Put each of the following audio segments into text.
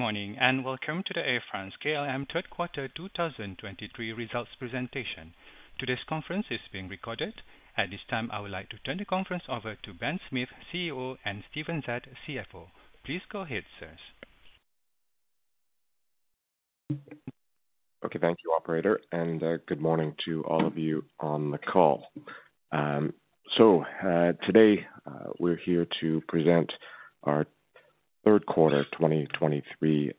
Good morning, and welcome to the Air France-KLM third quarter 2023 results presentation. Today's conference is being recorded. At this time, I would like to turn the conference over to Ben Smith, CEO, and Steven Zaat, CFO. Please go ahead, sirs. Okay, thank you, operator, and good morning to all of you on the call. So today we're here to present our third quarter 2023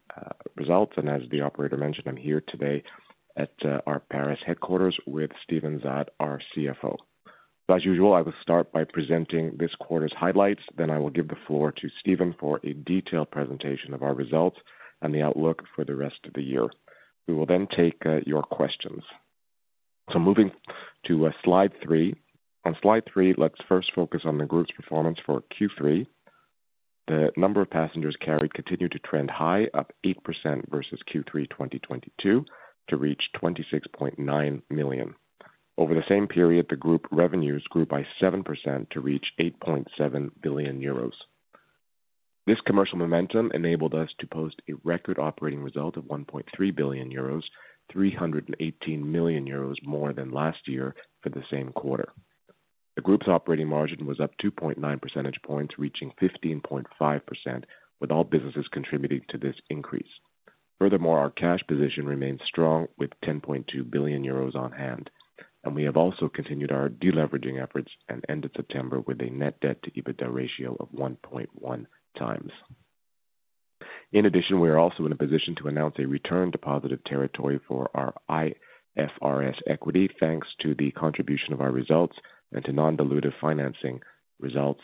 results, and as the operator mentioned, I'm here today at our Paris headquarters with Steven Zaat, our CFO. So as usual, I will start by presenting this quarter's highlights, then I will give the floor to Steven for a detailed presentation of our results and the outlook for the rest of the year. We will then take your questions. So moving to slide three. On slide three, let's first focus on the group's performance for Q3. The number of passengers carried continued to trend high, up 8% versus Q3 2022, to reach 26.9 million. Over the same period, the group revenues grew by 7% to reach 8.7 billion euros. This commercial momentum enabled us to post a record operating result of 1.3 billion euros, 318 million euros more than last year for the same quarter. The group's operating margin was up 2.9 percentage points, reaching 15.5%, with all businesses contributing to this increase. Furthermore, our cash position remains strong with 10.2 billion euros on hand, and we have also continued our deleveraging efforts and ended September with a net debt to EBITDA ratio of 1.1 times. In addition, we are also in a position to announce a return to positive territory for our IFRS equity, thanks to the contribution of our results and to non-dilutive financing results,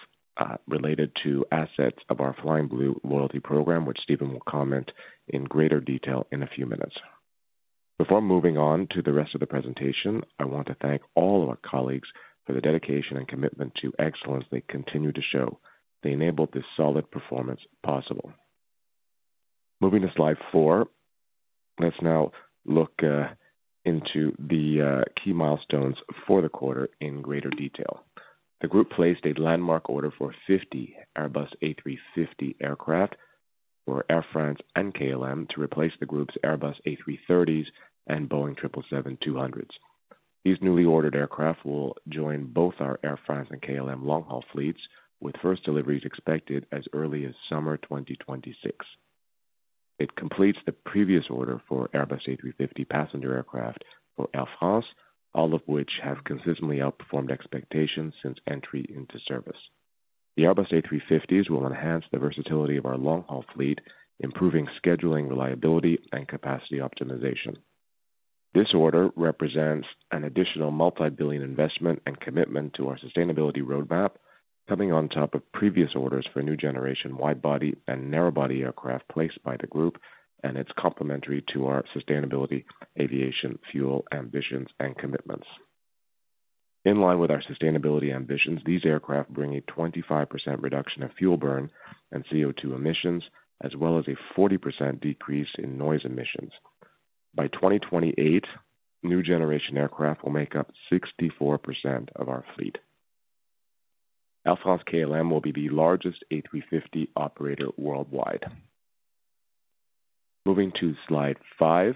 related to assets of our Flying Blue loyalty program, which Steven will comment in greater detail in a few minutes. Before moving on to the rest of the presentation, I want to thank all of our colleagues for the dedication and commitment to excellence they continue to show. They enabled this solid performance possible. Moving to slide four. Let's now look into the key milestones for the quarter in greater detail. The group placed a landmark order for 50 Airbus A350 aircraft for Air France and KLM to replace the group's Airbus A330s and Boeing 777-200s. These newly ordered aircraft will join both our Air France and KLM long-haul fleets, with first deliveries expected as early as summer 2026. It completes the previous order for Airbus A350 passenger aircraft for Air France, all of which have consistently outperformed expectations since entry into service. The Airbus A350s will enhance the versatility of our long-haul fleet, improving scheduling, reliability, and capacity optimization. This order represents an additional multi-billion investment and commitment to our sustainability roadmap, coming on top of previous orders for new generation wide-body and narrow-body aircraft placed by the group, and it's complementary to our sustainability, aviation, fuel, ambitions, and commitments. In line with our sustainability ambitions, these aircraft bring a 25% reduction of fuel burn and CO2 emissions, as well as a 40% decrease in noise emissions. By 2028, new generation aircraft will make up 64% of our fleet. Air France-KLM will be the largest A350 operator worldwide. Moving to slide five.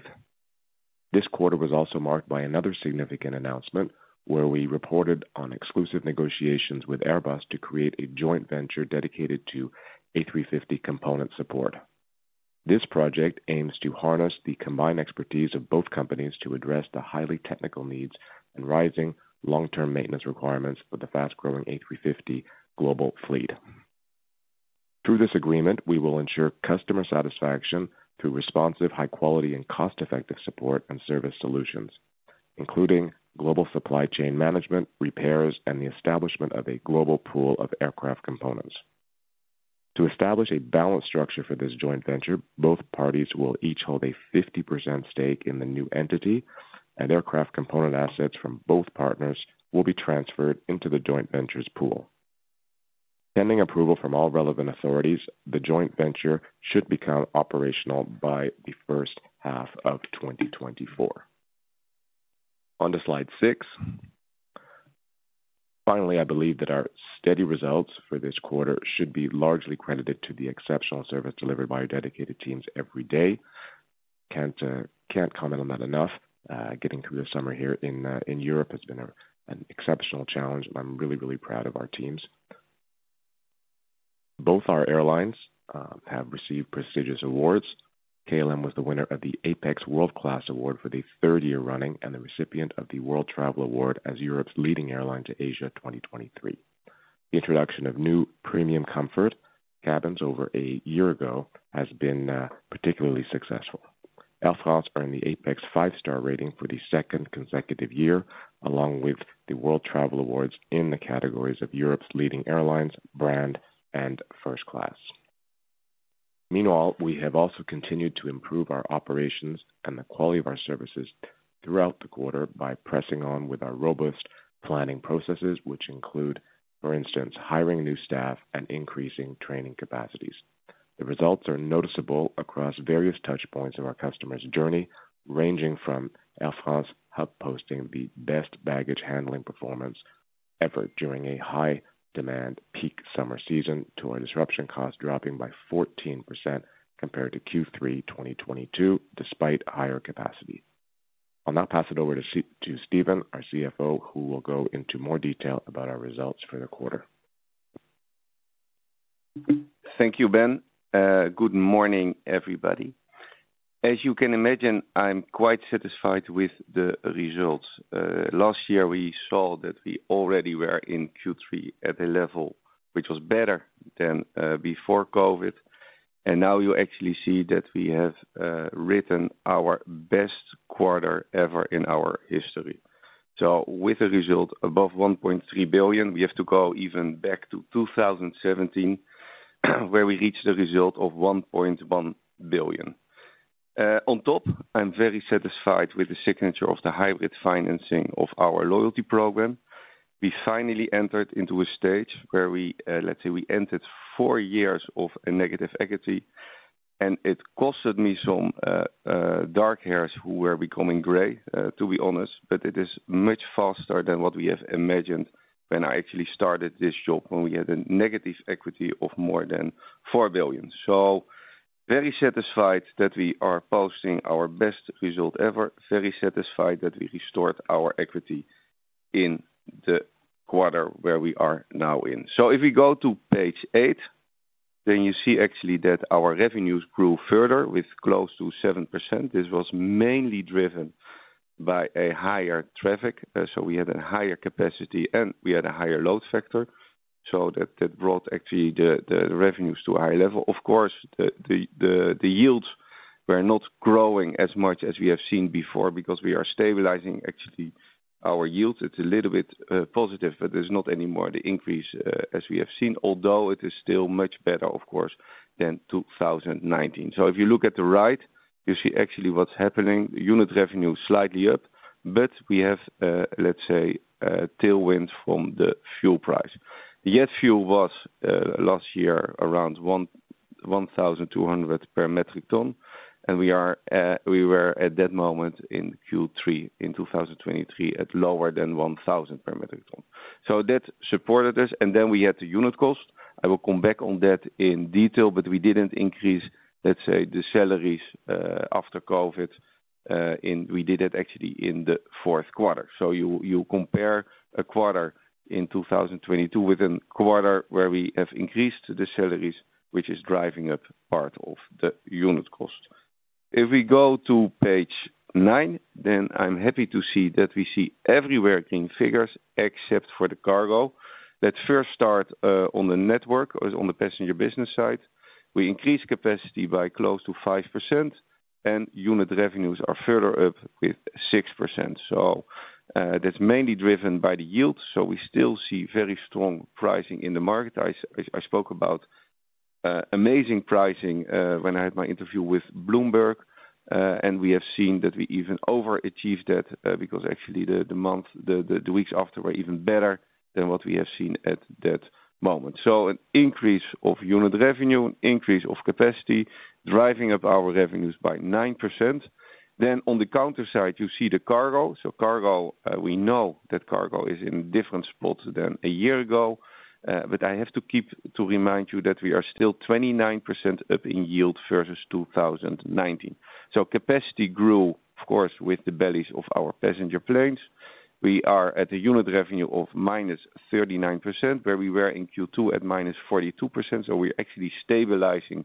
This quarter was also marked by another significant announcement, where we reported on exclusive negotiations with Airbus to create a joint venture dedicated to A350 component support. This project aims to harness the combined expertise of both companies to address the highly technical needs and rising long-term maintenance requirements for the fast-growing A350 global fleet. Through this agreement, we will ensure customer satisfaction through responsive, high quality, and cost-effective support and service solutions, including global supply chain management, repairs, and the establishment of a global pool of aircraft components. To establish a balanced structure for this joint venture, both parties will each hold a 50% stake in the new entity, and aircraft component assets from both partners will be transferred into the joint venture's pool. Pending approval from all relevant authorities, the joint venture should become operational by the first half of 2024. On to slide six. Finally, I believe that our steady results for this quarter should be largely credited to the exceptional service delivered by our dedicated teams every day. Can't comment on that enough. Getting through the summer here in Europe has been an exceptional challenge. I'm really, really proud of our teams. Both our airlines have received prestigious awards. KLM was the winner of the APEX World Class Award for the third year running, and the recipient of the World Travel Award as Europe's leading airline to Asia 2023. The introduction of new Premium Comfort cabins over a year ago has been particularly successful. Air France earned the APEX five-star rating for the second consecutive year, along with the World Travel Awards in the categories of Europe's leading airlines, brand, and first class. Meanwhile, we have also continued to improve our operations and the quality of our services throughout the quarter by pressing on with our robust planning processes, which include, for instance, hiring new staff and increasing training capacities. The results are noticeable across various touch points of our customer's journey, ranging from Air France hub posting the best baggage handling performance. Effort during a high demand peak summer season to a disruption cost dropping by 14% compared to Q3 2022, despite higher capacity. I'll now pass it over to Steven, our CFO, who will go into more detail about our results for the quarter. Thank you, Ben. Good morning, everybody. As you can imagine, I'm quite satisfied with the results. Last year, we saw that we already were in Q3 at a level which was better than before COVID, and now you actually see that we have written our best quarter ever in our history. So with a result above 1.3 billion, we have to go even back to 2017, where we reached the result of 1.1 billion. On top, I'm very satisfied with the signature of the hybrid financing of our loyalty program. We finally entered into a stage where we, let's say we entered four years of a negative equity, and it costed me some dark hairs who were becoming gray, to be honest. But it is much faster than what we have imagined when I actually started this job, when we had a negative equity of more than 4 billion. So very satisfied that we are posting our best result ever, very satisfied that we restored our equity in the quarter where we are now in. So if we go to page eight, then you see actually that our revenues grew further with close to 7%. This was mainly driven by a higher traffic. So we had a higher capacity and we had a higher load factor, so that brought actually the revenues to a higher level. Of course, the yields were not growing as much as we have seen before, because we are stabilizing actually our yields. It's a little bit positive, but there's not any more the increase as we have seen, although it is still much better, of course, than 2019. So if you look at the right, you see actually what's happening. Unit revenue slightly up, but we have, let's say, tailwinds from the fuel price. Jet fuel was last year around $1,200 per metric ton, and we were at that moment in Q3 in 2023 at lower than $1,000 per metric ton. So that supported us, and then we had the unit cost. I will come back on that in detail, but we didn't increase, let's say, the salaries after COVID; we did it actually in the fourth quarter. So you compare a quarter in 2022 with a quarter where we have increased the salaries, which is driving up part of the unit cost. If we go to page nine, then I'm happy to see that we see everywhere green figures, except for the cargo. Let's first start on the network, or on the passenger business side. We increased capacity by close to 5%, and unit revenues are further up with 6%. So that's mainly driven by the yield, so we still see very strong pricing in the market. I spoke about amazing pricing when I had my interview with Bloomberg, and we have seen that we even overachieved that because actually the weeks after were even better than what we have seen at that moment. So an increase of unit revenue, increase of capacity, driving up our revenues by 9%. Then on the counter side, you see the cargo. So cargo, we know that cargo is in different spots than a year ago, but I have to keep, to remind you that we are still 29% up in yield versus 2019. So capacity grew, of course, with the bellies of our passenger planes. We are at a unit revenue of -39%, where we were in Q2 at -42%, so we're actually stabilizing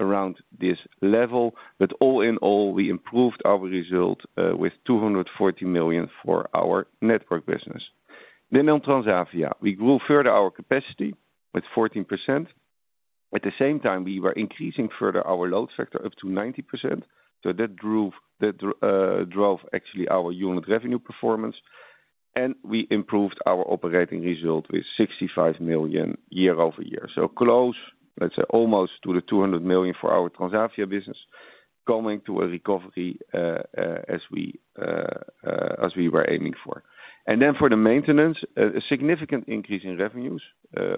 around this level. But all in all, we improved our result, with 240 million for our Network business. Then on Transavia, we grew further our capacity with 14%. At the same time, we were increasing further our load factor up to 90%, so that drove, that drove actually our unit revenue performance, and we improved our operating result with 65 million year-over-year. So close, let's say, almost to the 200 million for our Transavia business, coming to a recovery, as we were aiming for. And then for the maintenance, a significant increase in revenues,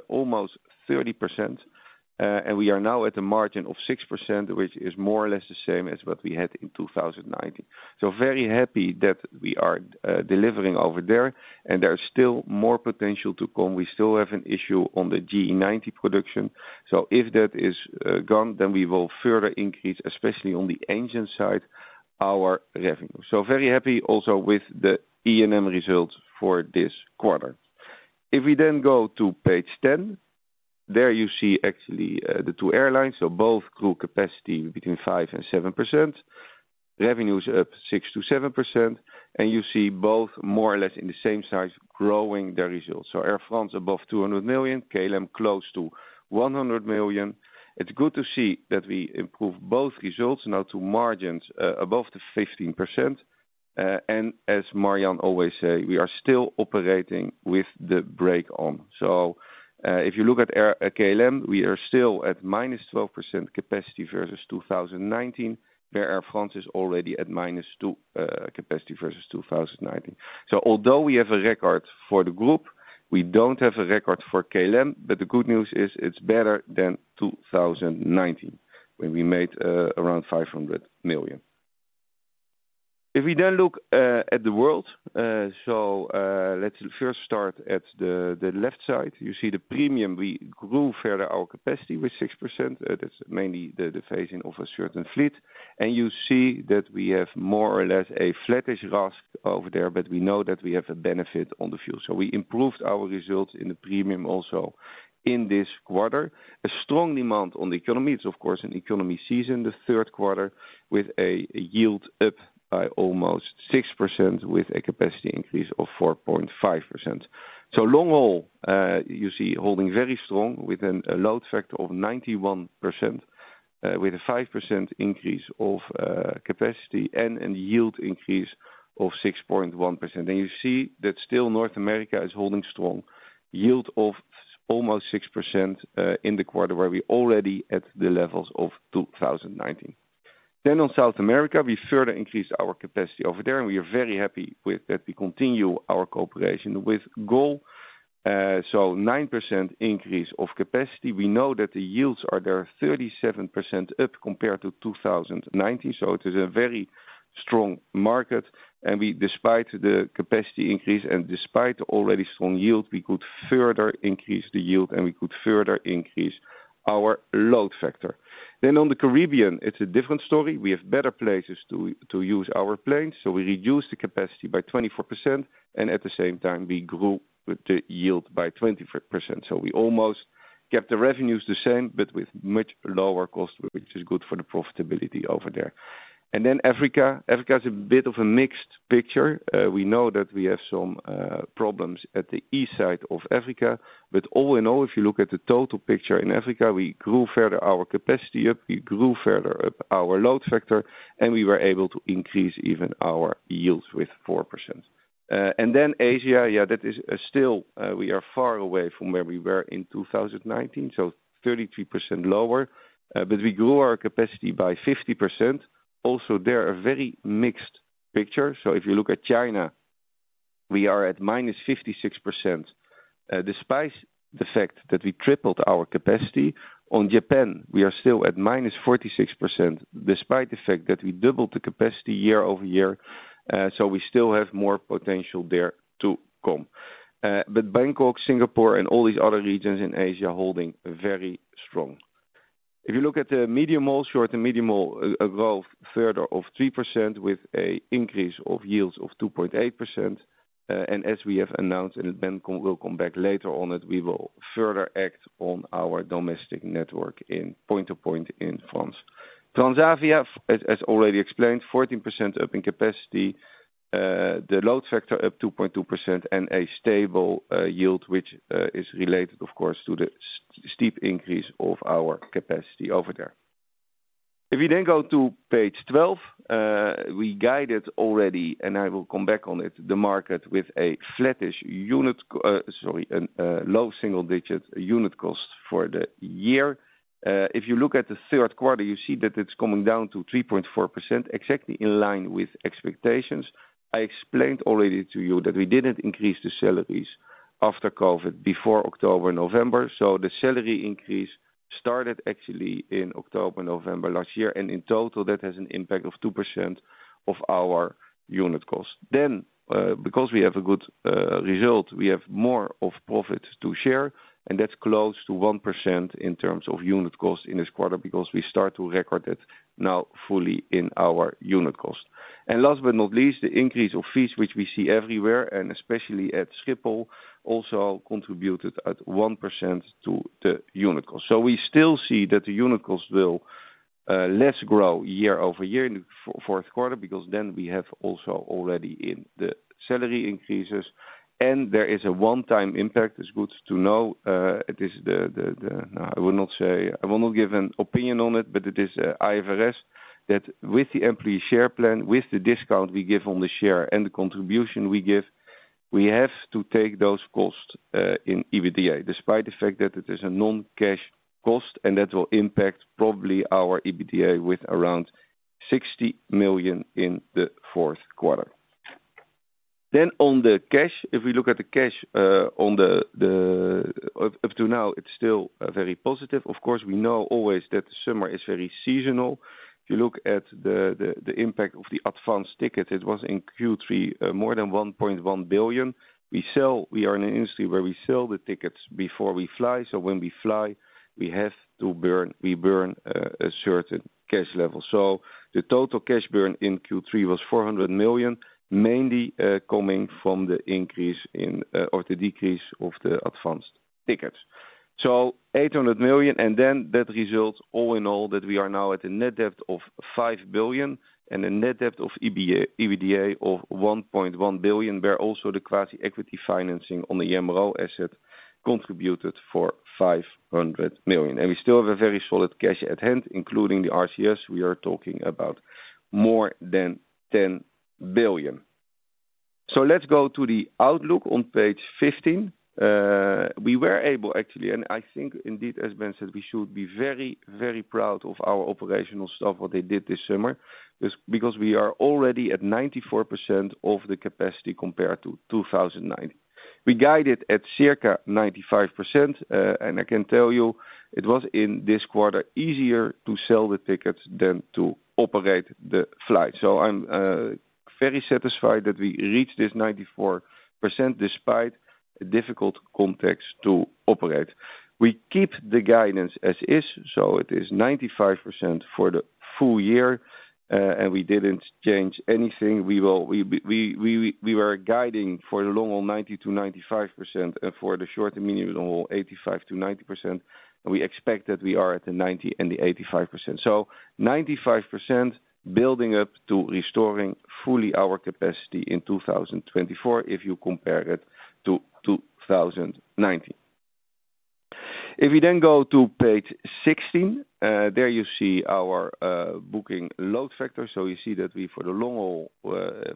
almost 30%, and we are now at a margin of 6%, which is more or less the same as what we had in 2019. So very happy that we are delivering over there, and there is still more potential to come. We still have an issue on the GE90 production, so if that is gone, then we will further increase, especially on the engine side, our revenue. So very happy also with the E&M results for this quarter. If we then go to page 10, there you see actually the two airlines. So both grew capacity between 5% and 7%. Revenue is up 6%-7%, and you see both more or less in the same size, growing their results. So Air France, above 200 million, KLM, close to 100 million. It's good to see that we improve both results now to margins above the 15%. And as Marjan always say, we are still operating with the brake on. So, if you look at our KLM, we are still at -12% capacity versus 2019, where Air France is already at -2% capacity versus 2019. So although we have a record for the group, we don't have a record for KLM, but the good news is it's better than 2019, when we made around 500 million. If we then look at the world, so let's first start at the left side. You see the premium, we grew further our capacity with 6%. That's mainly the phasing of a certain fleet, and you see that we have more or less a flattish RASK over there, but we know that we have a benefit on the fuel. So we improved our results in the premium also in this quarter. A strong demand on the economy. It's of course, an economy season, the third quarter, with a yield up by almost 6%, with a capacity increase of 4.5%. So long-haul, you see holding very strong with a load factor of 91%, with a 5% increase of capacity and yield increase of 6.1%. And you see that still North America is holding strong. Yield of almost 6%, in the quarter, where we already at the levels of 2019. Then on South America, we further increased our capacity over there, and we are very happy with that we continue our cooperation with GOL. So 9% increase of capacity. We know that the yields are there 37% up compared to 2019, so it is a very strong market, and we, despite the capacity increase and despite already strong yield, we could further increase the yield, and we could further increase our load factor. Then on the Caribbean, it's a different story. We have better places to use our planes, so we reduce the capacity by 24%, and at the same time, we grew the yield by 24%. So we almost kept the revenues the same, but with much lower cost, which is good for the profitability over there. And then Africa is a bit of a mixed picture. We know that we have some problems at the east side of Africa, but all in all, if you look at the total picture in Africa, we grew further our capacity up, we grew further up our load factor, and we were able to increase even our yields with 4%. And then Asia, yeah, that is still we are far away from where we were in 2019, so 33% lower, but we grew our capacity by 50%. Also, there's a very mixed picture. So if you look at China, we are at -56%, despite the fact that we tripled our capacity. On Japan, we are still at -46%, despite the fact that we doubled the capacity year-over-year. So we still have more potential there to come. But Bangkok, Singapore, and all these other regions in Asia are holding very strong. If you look at the medium haul, short and medium haul, growth further of 3% with an increase of yields of 2.8%, and as we have announced, and then we'll come back later on it, we will further act on our domestic network in point-to-point in France. Transavia, as already explained, 14% up in capacity, the load factor up 2.2% and a stable yield, which is related of course to the steep increase of our capacity over there. If you then go to page 12, we guided already, and I will come back on it, the market, with a flattish unit co- sorry, a low single-digit unit cost for the year. If you look at the third quarter, you see that it's coming down to 3.4%, exactly in line with expectations. I explained already to you that we didn't increase the salaries after COVID, before October, November. So the salary increase started actually in October, November last year, and in total, that has an impact of 2% of our unit cost. Then, because we have a good result, we have more of profit to share, and that's close to 1% in terms of unit cost in this quarter, because we start to record it now fully in our unit cost. And last but not least, the increase of fees, which we see everywhere, and especially at Schiphol, also contributed at 1% to the unit cost. So we still see that the unit cost will less grow year-over-year in fourth quarter, because then we have also already in the salary increases, and there is a one-time impact, it's good to know, it is the... I will not say, I will not give an opinion on it, but it is IFRS, that with the employee share plan, with the discount we give on the share and the contribution we give, we have to take those costs in EBITDA, despite the fact that it is a non-cash cost, and that will impact probably our EBITDA with around 60 million in the fourth quarter. Then on the cash, if we look at the cash on the... Up to now, it's still very positive. Of course, we know always that the summer is very seasonal. If you look at the impact of the advanced ticket, it was in Q3 more than 1.1 billion. We sell, we are in an industry where we sell the tickets before we fly, so when we fly, we have to burn, we burn a certain cash level. So the total cash burn in Q3 was 400 million, mainly coming from the increase in or the decrease of the advanced tickets. So 800 million, and then that results, all in all, that we are now at a net debt of 5 billion and a net debt of EBITDA of 1.1 billion, where also the quasi-equity financing on the MRO asset contributed for 500 million. And we still have a very solid cash at hand, including the RCS, we are talking about more than 10 billion. So let's go to the outlook on page 15. We were able, actually, and I think indeed, as Ben said, we should be very, very proud of our operational staff, what they did this summer, this, because we are already at 94% of the capacity compared to 2019. We guided at circa 95%, and I can tell you it was in this quarter, easier to sell the tickets than to operate the flight. So I'm very satisfied that we reached this 94%, despite a difficult context to operate. We keep the guidance as is, so it is 95% for the full year, and we didn't change anything. We were guiding for the long haul, 90%-95%, and for the short and medium haul, 85%-90%, and we expect that we are at the 90% and the 85%. So 95% building up to restoring fully our capacity in 2024, if you compare it to 2019. If you then go to page 16, there you see our booking load factor. So you see that we, for the long haul,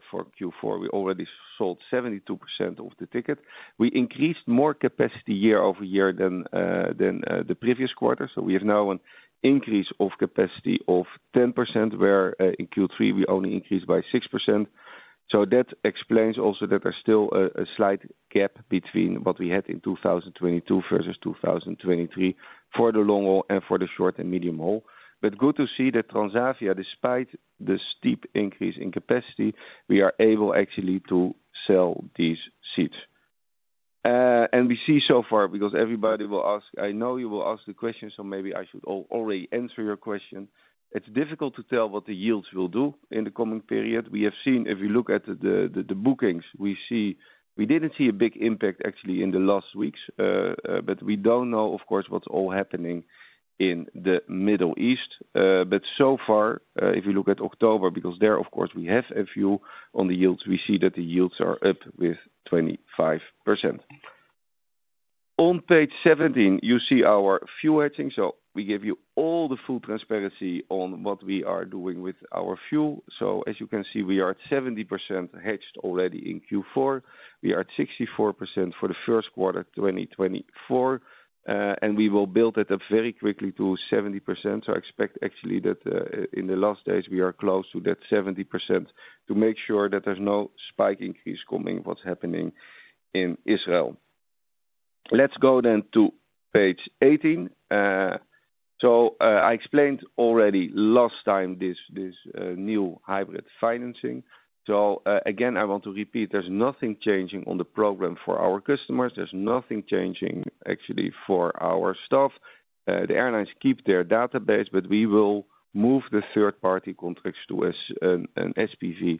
for Q4, we already sold 72% of the ticket. We increased more capacity year-over-year than the previous quarter. So we have now an increase of capacity of 10%, where in Q3 we only increased by 6%. So that explains also that there's still a slight gap between what we had in 2022 versus 2023 for the long haul and for the short and medium haul. But good to see that Transavia, despite the steep increase in capacity, we are able actually to sell these seats. And we see so far, because everybody will ask, I know you will ask the question, so maybe I should already answer your question. It's difficult to tell what the yields will do in the coming period. We have seen, if you look at the bookings, we see. We didn't see a big impact actually in the last weeks, but we don't know, of course, what's all happening in the Middle East. But so far, if you look at October, because there, of course, we have a few on the yields, we see that the yields are up with 25%. On page 17, you see our fuel hedging. So we give you all the full transparency on what we are doing with our fuel. So as you can see, we are at 70% hedged already in Q4. We are at 64% for the first quarter 2024, and we will build it up very quickly to 70%. So I expect actually that in the last days, we are close to that 70% to make sure that there's no spike increase coming, what's happening in Israel. Let's go then to page 18. So I explained already last time, this new hybrid financing. So, again, I want to repeat, there's nothing changing on the program for our customers. There's nothing changing, actually, for our staff. The airlines keep their database, but we will move the third-party contracts to, as, an SPC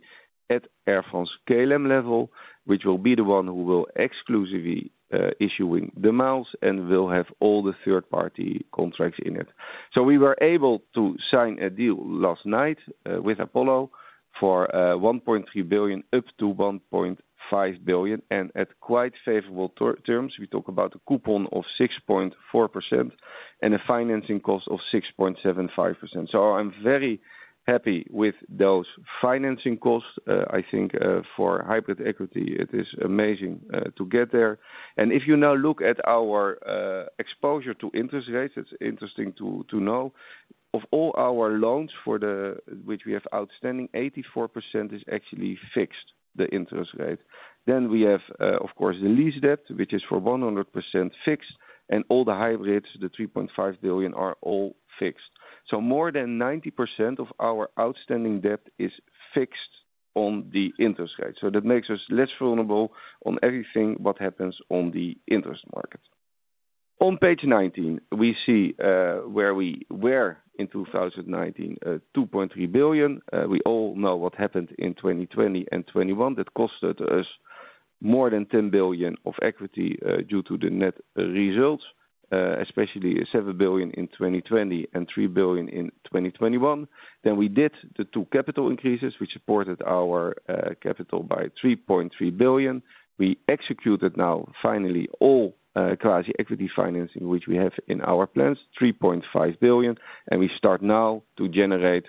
at Air France-KLM level, which will be the one who will exclusively issuing the miles and will have all the third-party contracts in it. So we were able to sign a deal last night, with Apollo for 1.3 billion-1.5 billion, and at quite favorable terms. We talk about a coupon of 6.4% and a financing cost of 6.75%. So I'm very happy with those financing costs. I think, for hybrid equity, it is amazing, to get there. If you now look at our exposure to interest rates, it's interesting to know, of all our loans which we have outstanding, 84% is actually fixed, the interest rate. We have, of course, the lease debt, which is for 100% fixed, and all the hybrids, the 3.5 billion, are all fixed. So more than 90% of our outstanding debt is fixed on the interest rate. So that makes us less vulnerable on everything, what happens on the interest market. On page 19, we see where we were in 2019, 2.3 billion. We all know what happened in 2020 and 2021. That costed us more than 10 billion of equity due to the net results, especially 7 billion in 2020 and 3 billion in 2021. Then we did the two capital increases, which supported our capital by 3.3 billion. We executed now finally all quasi-equity financing, which we have in our plans, 3.5 billion, and we start now to generate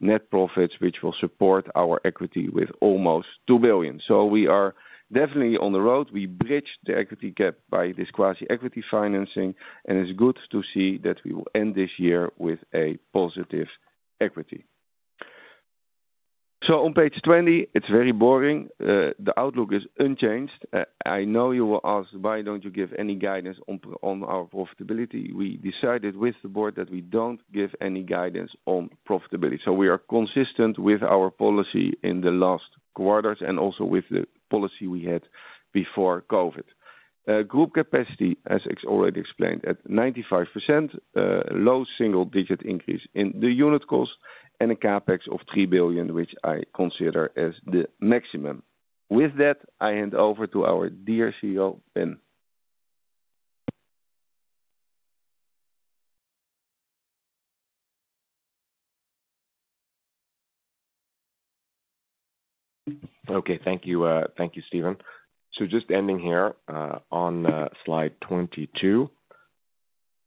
net profits, which will support our equity with almost 2 billion. So we are definitely on the road. We bridged the equity gap by this quasi-equity financing, and it's good to see that we will end this year with a positive equity. So on page 20, it's very boring. The outlook is unchanged. I know you will ask, "Why don't you give any guidance on, on our profitability?" We decided with the board that we don't give any guidance on profitability. So we are consistent with our policy in the last quarters and also with the policy we had before COVID. Group capacity, as is already explained, at 95%, low single-digit increase in the unit cost, and a CapEx of 3 billion, which I consider as the maximum. With that, I hand over to our dear CEO, Ben. Okay. Thank you, thank you, Steven. So just ending here, on slide 22.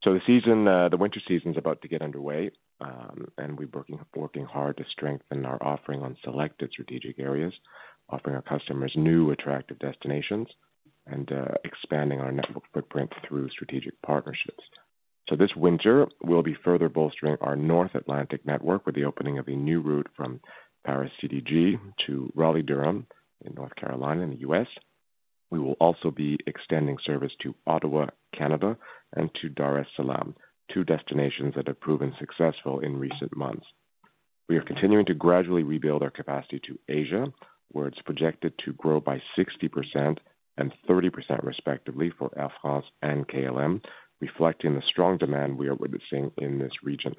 So the season, the winter season is about to get underway, and we're working, working hard to strengthen our offering on selected strategic areas, offering our customers new, attractive destinations, and expanding our network footprint through strategic partnerships.... So this winter, we'll be further bolstering our North Atlantic network with the opening of a new route from Paris CDG to Raleigh-Durham in North Carolina, in the U.S. We will also be extending service to Ottawa, Canada, and to Dar es Salaam, two destinations that have proven successful in recent months. We are continuing to gradually rebuild our capacity to Asia, where it's projected to grow by 60% and 30%, respectively, for Air France and KLM, reflecting the strong demand we are witnessing in this region.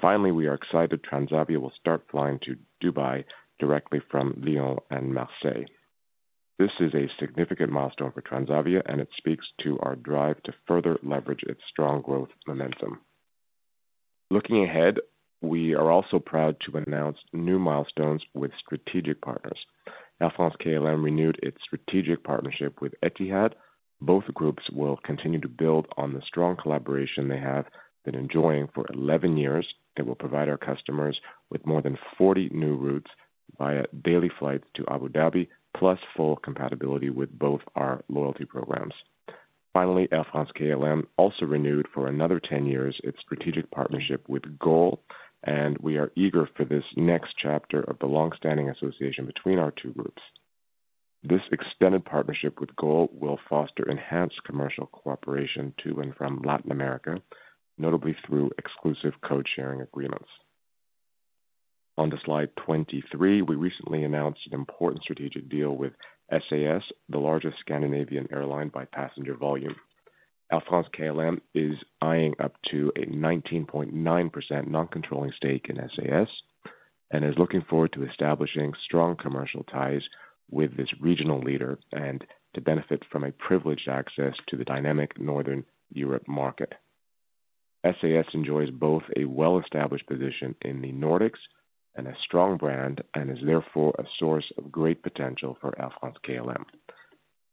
Finally, we are excited Transavia will start flying to Dubai directly from Lyon and Marseille. This is a significant milestone for Transavia, and it speaks to our drive to further leverage its strong growth momentum. Looking ahead, we are also proud to announce new milestones with strategic partners. Air France-KLM renewed its strategic partnership with Etihad. Both groups will continue to build on the strong collaboration they have been enjoying for 11 years. It will provide our customers with more than 40 new routes via daily flights to Abu Dhabi, plus full compatibility with both our loyalty programs. Finally, Air France-KLM also renewed, for another 10 years, its strategic partnership with GOL, and we are eager for this next chapter of the long-standing association between our two groups. This extended partnership with GOL will foster enhanced commercial cooperation to and from Latin America, notably through exclusive code-sharing agreements. On to slide 23. We recently announced an important strategic deal with SAS, the largest Scandinavian airline by passenger volume. Air France-KLM is eyeing up to a 19.9% non-controlling stake in SAS and is looking forward to establishing strong commercial ties with this regional leader and to benefit from a privileged access to the dynamic Northern Europe market. SAS enjoys both a well-established position in the Nordics and a strong brand, and is therefore a source of great potential for Air France-KLM.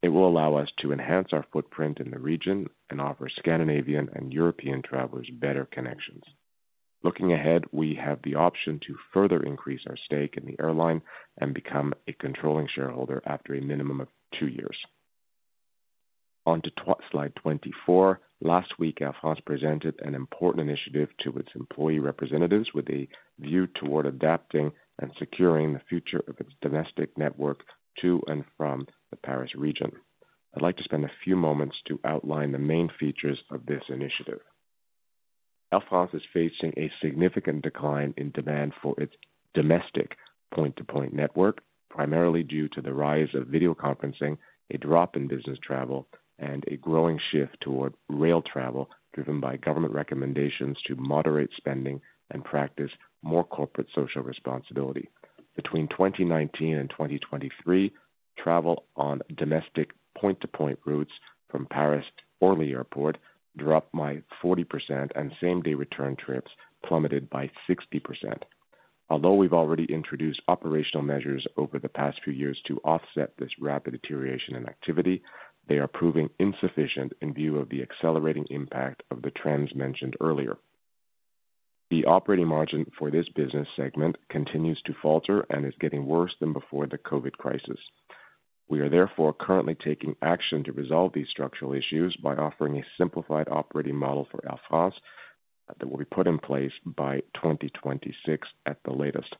It will allow us to enhance our footprint in the region and offer Scandinavian and European travelers better connections. Looking ahead, we have the option to further increase our stake in the airline and become a controlling shareholder after a minimum of two years. On to slide 24. Last week, Air France presented an important initiative to its employee representatives with a view toward adapting and securing the future of its domestic network to and from the Paris region. I'd like to spend a few moments to outline the main features of this initiative. Air France is facing a significant decline in demand for its domestic point-to-point network, primarily due to the rise of video conferencing, a drop in business travel, and a growing shift toward rail travel, driven by government recommendations to moderate spending and practice more corporate social responsibility. Between 2019 and 2023, travel on domestic point-to-point routes from Paris-Orly Airport dropped by 40%, and same-day return trips plummeted by 60%. Although we've already introduced operational measures over the past few years to offset this rapid deterioration in activity, they are proving insufficient in view of the accelerating impact of the trends mentioned earlier. The operating margin for this business segment continues to falter and is getting worse than before the COVID crisis. We are therefore currently taking action to resolve these structural issues by offering a simplified operating model for Air France that will be put in place by 2026 at the latest.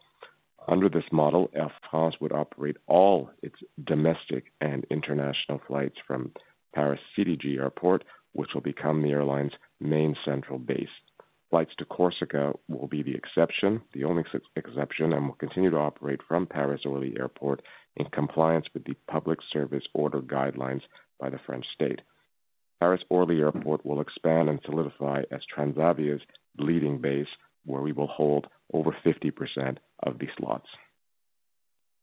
Under this model, Air France would operate all its domestic and international flights from Paris CDG Airport, which will become the airline's main central base. Flights to Corsica will be the exception, the only exception, and will continue to operate from Paris-Orly Airport, in compliance with the Public Service Order guidelines by the French state. Paris-Orly Airport will expand and solidify as Transavia's leading base, where we will hold over 50% of the slots.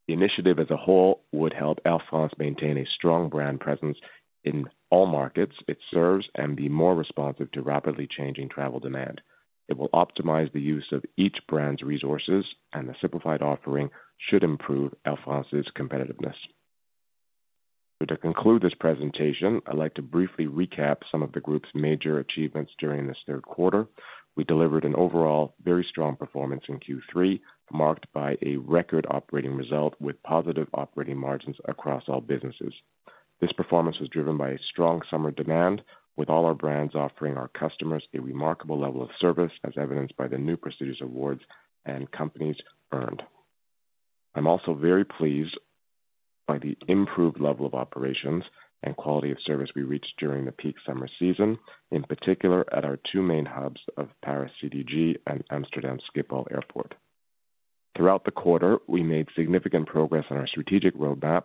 The initiative as a whole would help Air France maintain a strong brand presence in all markets it serves and be more responsive to rapidly changing travel demand. It will optimize the use of each brand's resources, and the simplified offering should improve Air France's competitiveness. To conclude this presentation, I'd like to briefly recap some of the group's major achievements during this third quarter. We delivered an overall very strong performance in Q3, marked by a record operating result with positive operating margins across all businesses. This performance was driven by a strong summer demand, with all our brands offering our customers a remarkable level of service, as evidenced by the new prestigious awards and companies earned. I'm also very pleased by the improved level of operations and quality of service we reached during the peak summer season, in particular at our two main hubs of Paris CDG and Amsterdam Airport Schiphol. Throughout the quarter, we made significant progress on our strategic roadmap.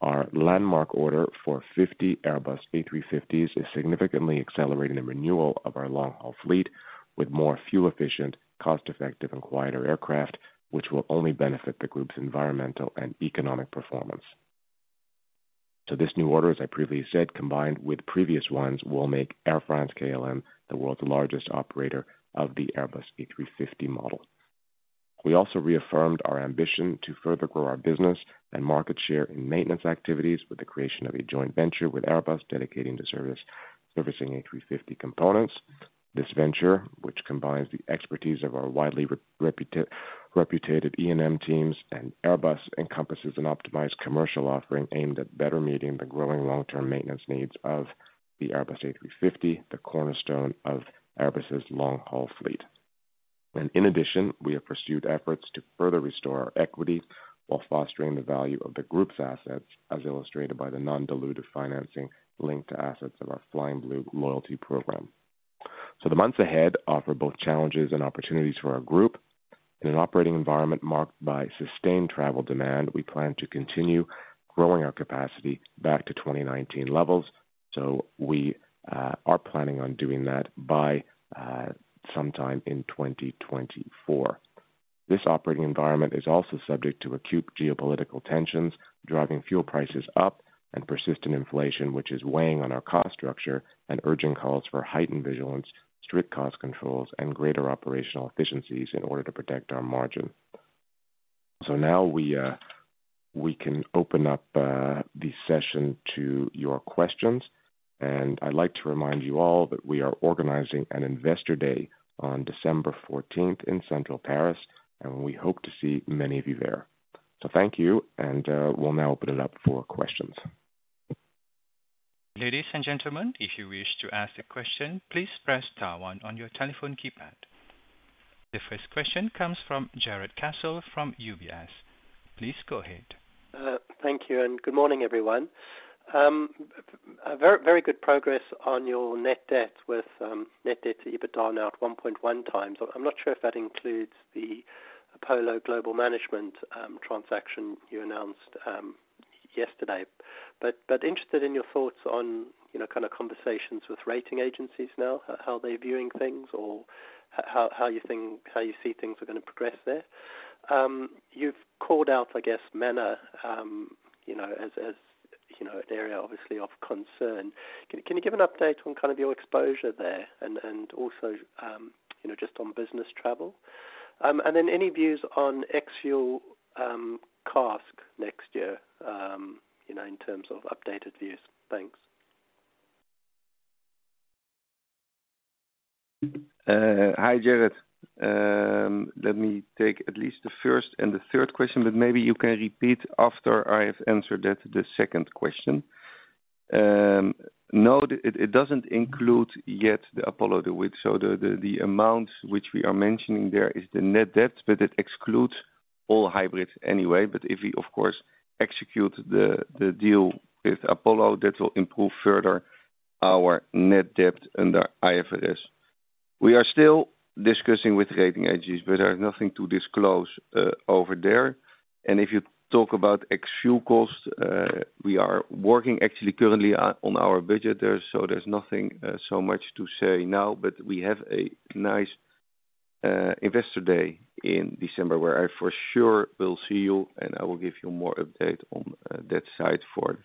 Our landmark order for 50 Airbus A350s is significantly accelerating the renewal of our long-haul fleet with more fuel-efficient, cost-effective, and quieter aircraft, which will only benefit the group's environmental and economic performance. So this new order, as I previously said, combined with previous ones, will make Air France-KLM the world's largest operator of the Airbus A350 model. We also reaffirmed our ambition to further grow our business and market share in maintenance activities with the creation of a joint venture with Airbus, dedicating to servicing A350 components. This venture, which combines the expertise of our widely reputed E&M teams and Airbus, encompasses an optimized commercial offering aimed at better meeting the growing long-term maintenance needs of the Airbus A350, the cornerstone of Airbus's long-haul fleet. And in addition, we have pursued efforts to further restore our equity while fostering the value of the group's assets, as illustrated by the non-dilutive financing linked to assets of our Flying Blue loyalty program. So the months ahead offer both challenges and opportunities for our group. In an operating environment marked by sustained travel demand, we plan to continue growing our capacity back to 2019 levels. So we are planning on doing that by sometime in 2024. This operating environment is also subject to acute geopolitical tensions, driving fuel prices up, and persistent inflation, which is weighing on our cost structure and urging calls for heightened vigilance, strict cost controls, and greater operational efficiencies in order to protect our margin. So now we, we can open up the session to your questions. And I'd like to remind you all that we are organizing an Investor Day on December fourteenth in Central Paris, and we hope to see many of you there. So thank you, and we'll now open it up for questions. Ladies and gentlemen, if you wish to ask a question, please press star one on your telephone keypad. The first question comes from Jarrod Castle from UBS. Please go ahead. Thank you, and good morning, everyone. A very, very good progress on your net debt, with net debt to EBITDA now at 1.1 times. I'm not sure if that includes the Apollo Global Management transaction you announced yesterday. But interested in your thoughts on, you know, kind of conversations with rating agencies now, how they're viewing things, or how, how you think, how you see things are going to progress there? You've called out, I guess, MENA, you know, as, as, you know, an area obviously of concern. Can, can you give an update on kind of your exposure there and, and also, you know, just on business travel? And then any views on ex-fuel CASK next year, you know, in terms of updated views? Thanks. Hi, Jarrod. Let me take at least the first and the third question, but maybe you can repeat after I have answered that, the second question. No, it doesn't include yet the Apollo, the width. So the amount which we are mentioning there is the net debt, but it excludes all hybrids anyway. But if we of course execute the deal with Apollo, that will improve further our net debt under IFRS. We are still discussing with rating agencies, but there is nothing to disclose over there. If you talk about ex-fuel costs, we are working actually currently on our budget there, so there's nothing so much to say now. We have a nice Investor Day in December, where I for sure will see you, and I will give you more update on that side for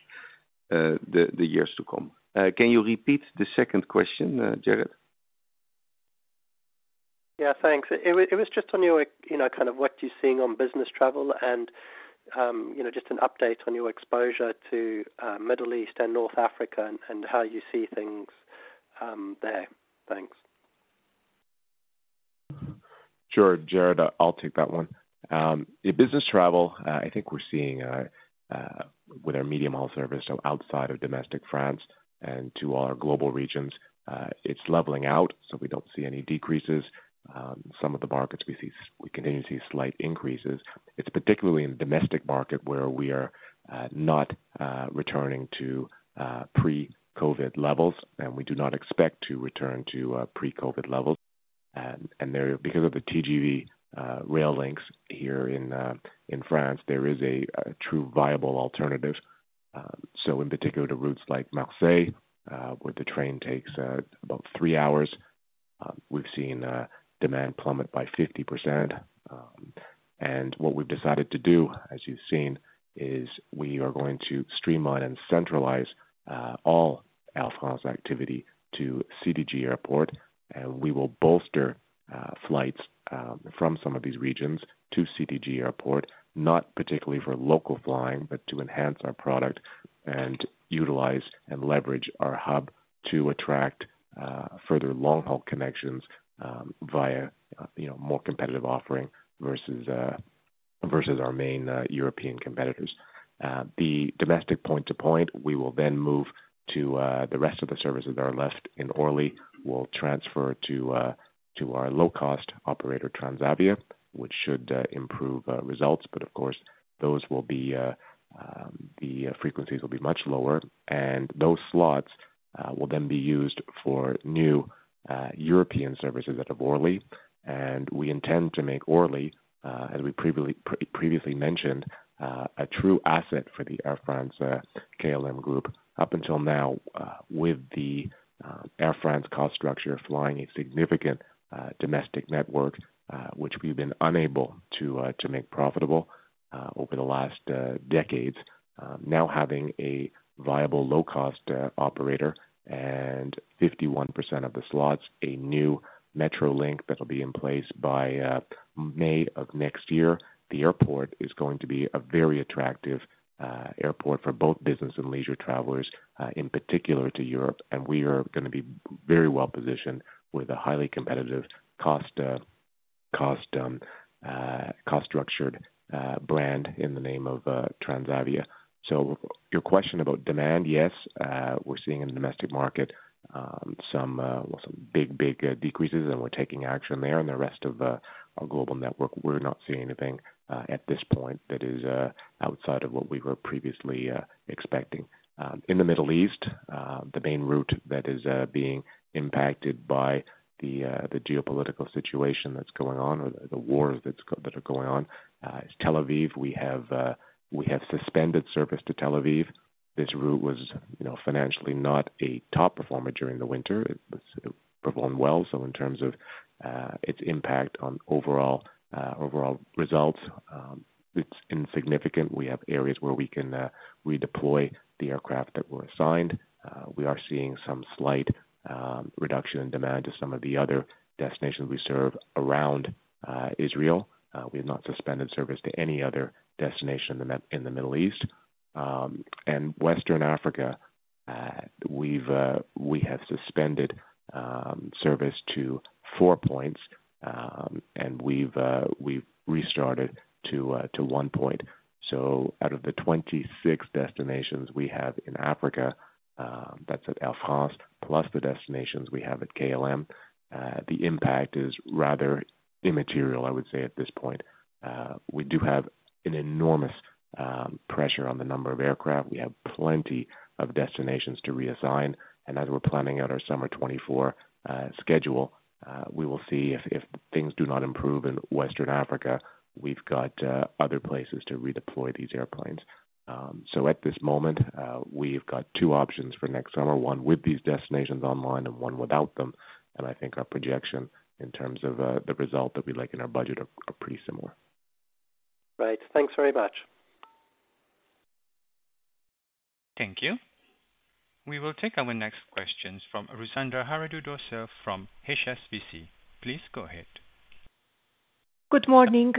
the years to come. Can you repeat the second question, Jarrod? Yeah, thanks. It was, it was just on your, you know, kind of what you're seeing on business travel and, you know, just an update on your exposure to, Middle East and North Africa and, and how you see things, there. Thanks. Sure, Jarrod, I'll take that one. In business travel, I think we're seeing, with our medium-haul service, so outside of domestic France and to our global regions, it's leveling out, so we don't see any decreases. Some of the markets we see, we continue to see slight increases. It's particularly in the domestic market where we are not returning to pre-COVID levels, and we do not expect to return to pre-COVID levels. And there, because of the TGV rail links here in France, there is a true viable alternative. So in particular, to routes like Marseille, where the train takes about three hours, we've seen demand plummet by 50%. What we've decided to do, as you've seen, is we are going to streamline and centralize all Air France activity to CDG Airport. We will bolster flights from some of these regions to CDG Airport, not particularly for local flying, but to enhance our product and utilize and leverage our hub to attract, you know, further long-haul connections via, you know, more competitive offering versus our main European competitors. The domestic point-to-point, we will then move to the rest of the services that are left in Orly. We'll transfer to our low-cost operator, Transavia, which should improve results. Of course, those will be, the frequencies will be much lower, and those slots will then be used for new European services out of Orly. We intend to make Orly, as we previously mentioned, a true asset for the Air France-KLM Group. Up until now, with the Air France cost structure, flying a significant domestic network, which we've been unable to make profitable, over the last decades. Now having a viable low-cost operator and 51% of the slots, a new metro link that'll be in place by May of next year, the airport is going to be a very attractive airport for both business and leisure travelers, in particular to Europe. We are gonna be very well positioned with a highly competitive cost-structured brand in the name of Transavia. So your question about demand, yes, we're seeing in the domestic market some big decreases, and we're taking action there. In the rest of our global network, we're not seeing anything at this point that is outside of what we were previously expecting. In the Middle East, the main route that is being impacted by the geopolitical situation that's going on, or the wars that are going on, is Tel Aviv. We have suspended service to Tel Aviv. This route was, you know, financially not a top performer during the winter. It performed well, so in terms of its impact on overall results, it's insignificant. We have areas where we can redeploy the aircraft that were assigned. We are seeing some slight reduction in demand to some of the other destinations we serve around Israel. We have not suspended service to any other destination in the Middle East. And Western Africa, we have suspended service to four points, and we've restarted to one point. So out of the 26 destinations we have in Africa, that's at Air France, plus the destinations we have at KLM, the impact is rather immaterial, I would say, at this point. We do have an enormous pressure on the number of aircraft. We have plenty of destinations to reassign, and as we're planning out our summer 2024 schedule, we will see if things do not improve in Western Africa, we've got other places to redeploy these airplanes. At this moment, we've got two options for next summer, one with these destinations online and one without them, and I think our projection in terms of the result that we like in our budget are pretty similar. Right. Thanks very much. Thank you. We will take our next questions from Ruxandra Haradau-Döser from HSBC. Please go ahead. Good morning.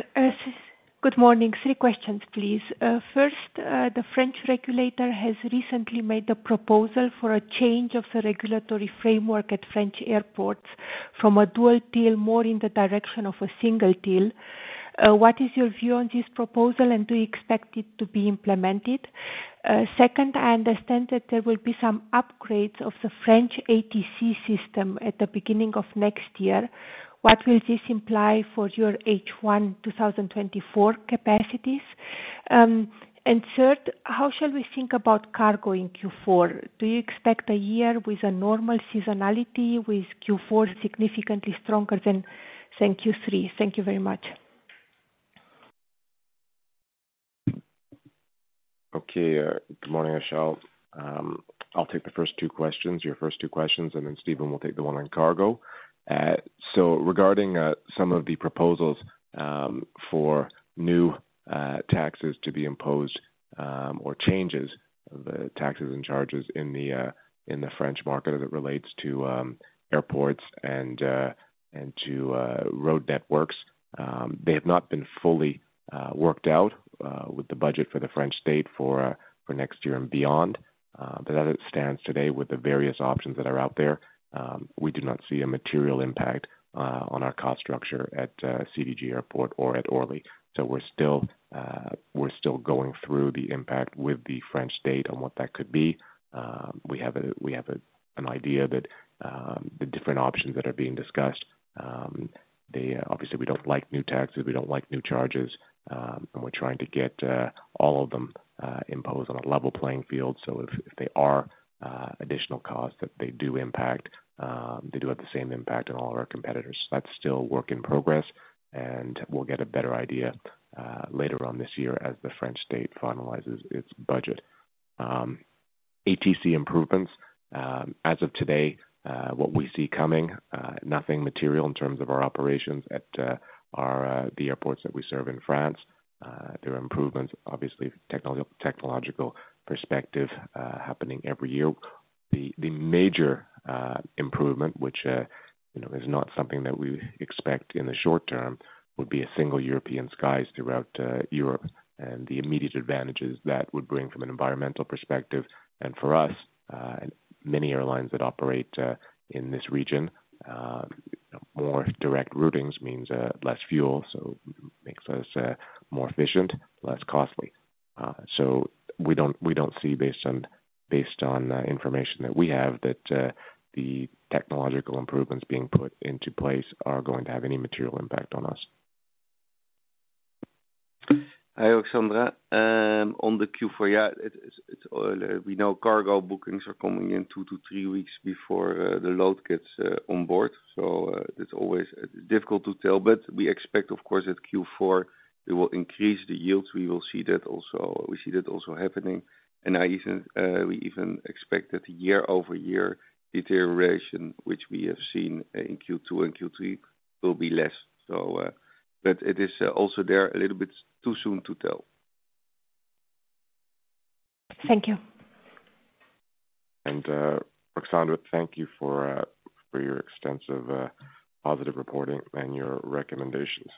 Good morning. Three questions, please. First, the French regulator has recently made a proposal for a change of the regulatory framework at French airports from a dual till, more in the direction of a single till. What is your view on this proposal, and do you expect it to be implemented? Second, I understand that there will be some upgrades of the French ATC system at the beginning of next year. What will this imply for your H1 2024 capacities? And third, how shall we think about cargo in Q4? Do you expect a year with a normal seasonality, with Q4 significantly stronger than Q3? Thank you very much. Okay. Good morning, Ruxandra. I'll take the first two questions, your first two questions, and then Steven will take the one on cargo. So regarding some of the proposals for new taxes to be imposed or changes the taxes and charges in the French market as it relates to airports and to road networks, they have not been fully worked out with the budget for the French state for next year and beyond. But as it stands today with the various options that are out there, we do not see a material impact on our cost structure at CDG Airport or at Orly. So we're still going through the impact with the French state on what that could be. We have an idea that the different options that are being discussed, they... Obviously, we don't like new taxes, we don't like new charges, and we're trying to get all of them imposed on a level playing field. So if they are additional costs, that they do impact, they do have the same impact on all of our competitors. That's still work in progress, and we'll get a better idea later on this year as the French state finalizes its budget. ATC improvements, as of today, what we see coming, nothing material in terms of our operations at the airports that we serve in France. There are improvements, obviously technological perspective, happening every year. The major improvement, which you know is not something that we expect in the short term, would be a single European skies throughout Europe, and the immediate advantages that would bring from an environmental perspective, and for us, many airlines that operate in this region, more direct routings means less fuel, so makes us more efficient, less costly. So we don't see, based on information that we have, that the technological improvements being put into place are going to have any material impact on us. Hi, Ruxandra. On the Q4, yeah, it's all we know, cargo bookings are coming in two to three weeks before the load gets on board, so it's always difficult to tell. But we expect, of course, that Q4 it will increase the yields. We will see that also, we see that also happening. And I even, we even expect that year-over-year deterioration, which we have seen in Q2 and Q3, will be less. So, but it is also there, a little bit too soon to tell. Thank you. Ruxandra, thank you for your extensive, positive reporting and your recommendations.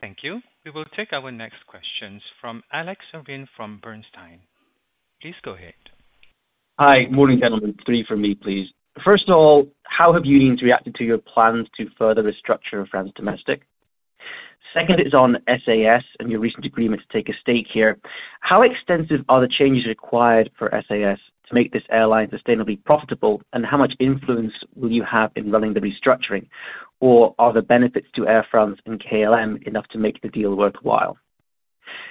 Thank you. We will take our next questions from Alex Irving from Bernstein. Please go ahead. Hi. Morning, gentlemen. 3 for me, please. First of all, how have unions reacted to your plans to further restructure France domestic? Second is on SAS and your recent agreement to take a stake here. How extensive are the changes required for SAS to make this airline sustainably profitable, and how much influence will you have in running the restructuring, or are the benefits to Air France and KLM enough to make the deal worthwhile?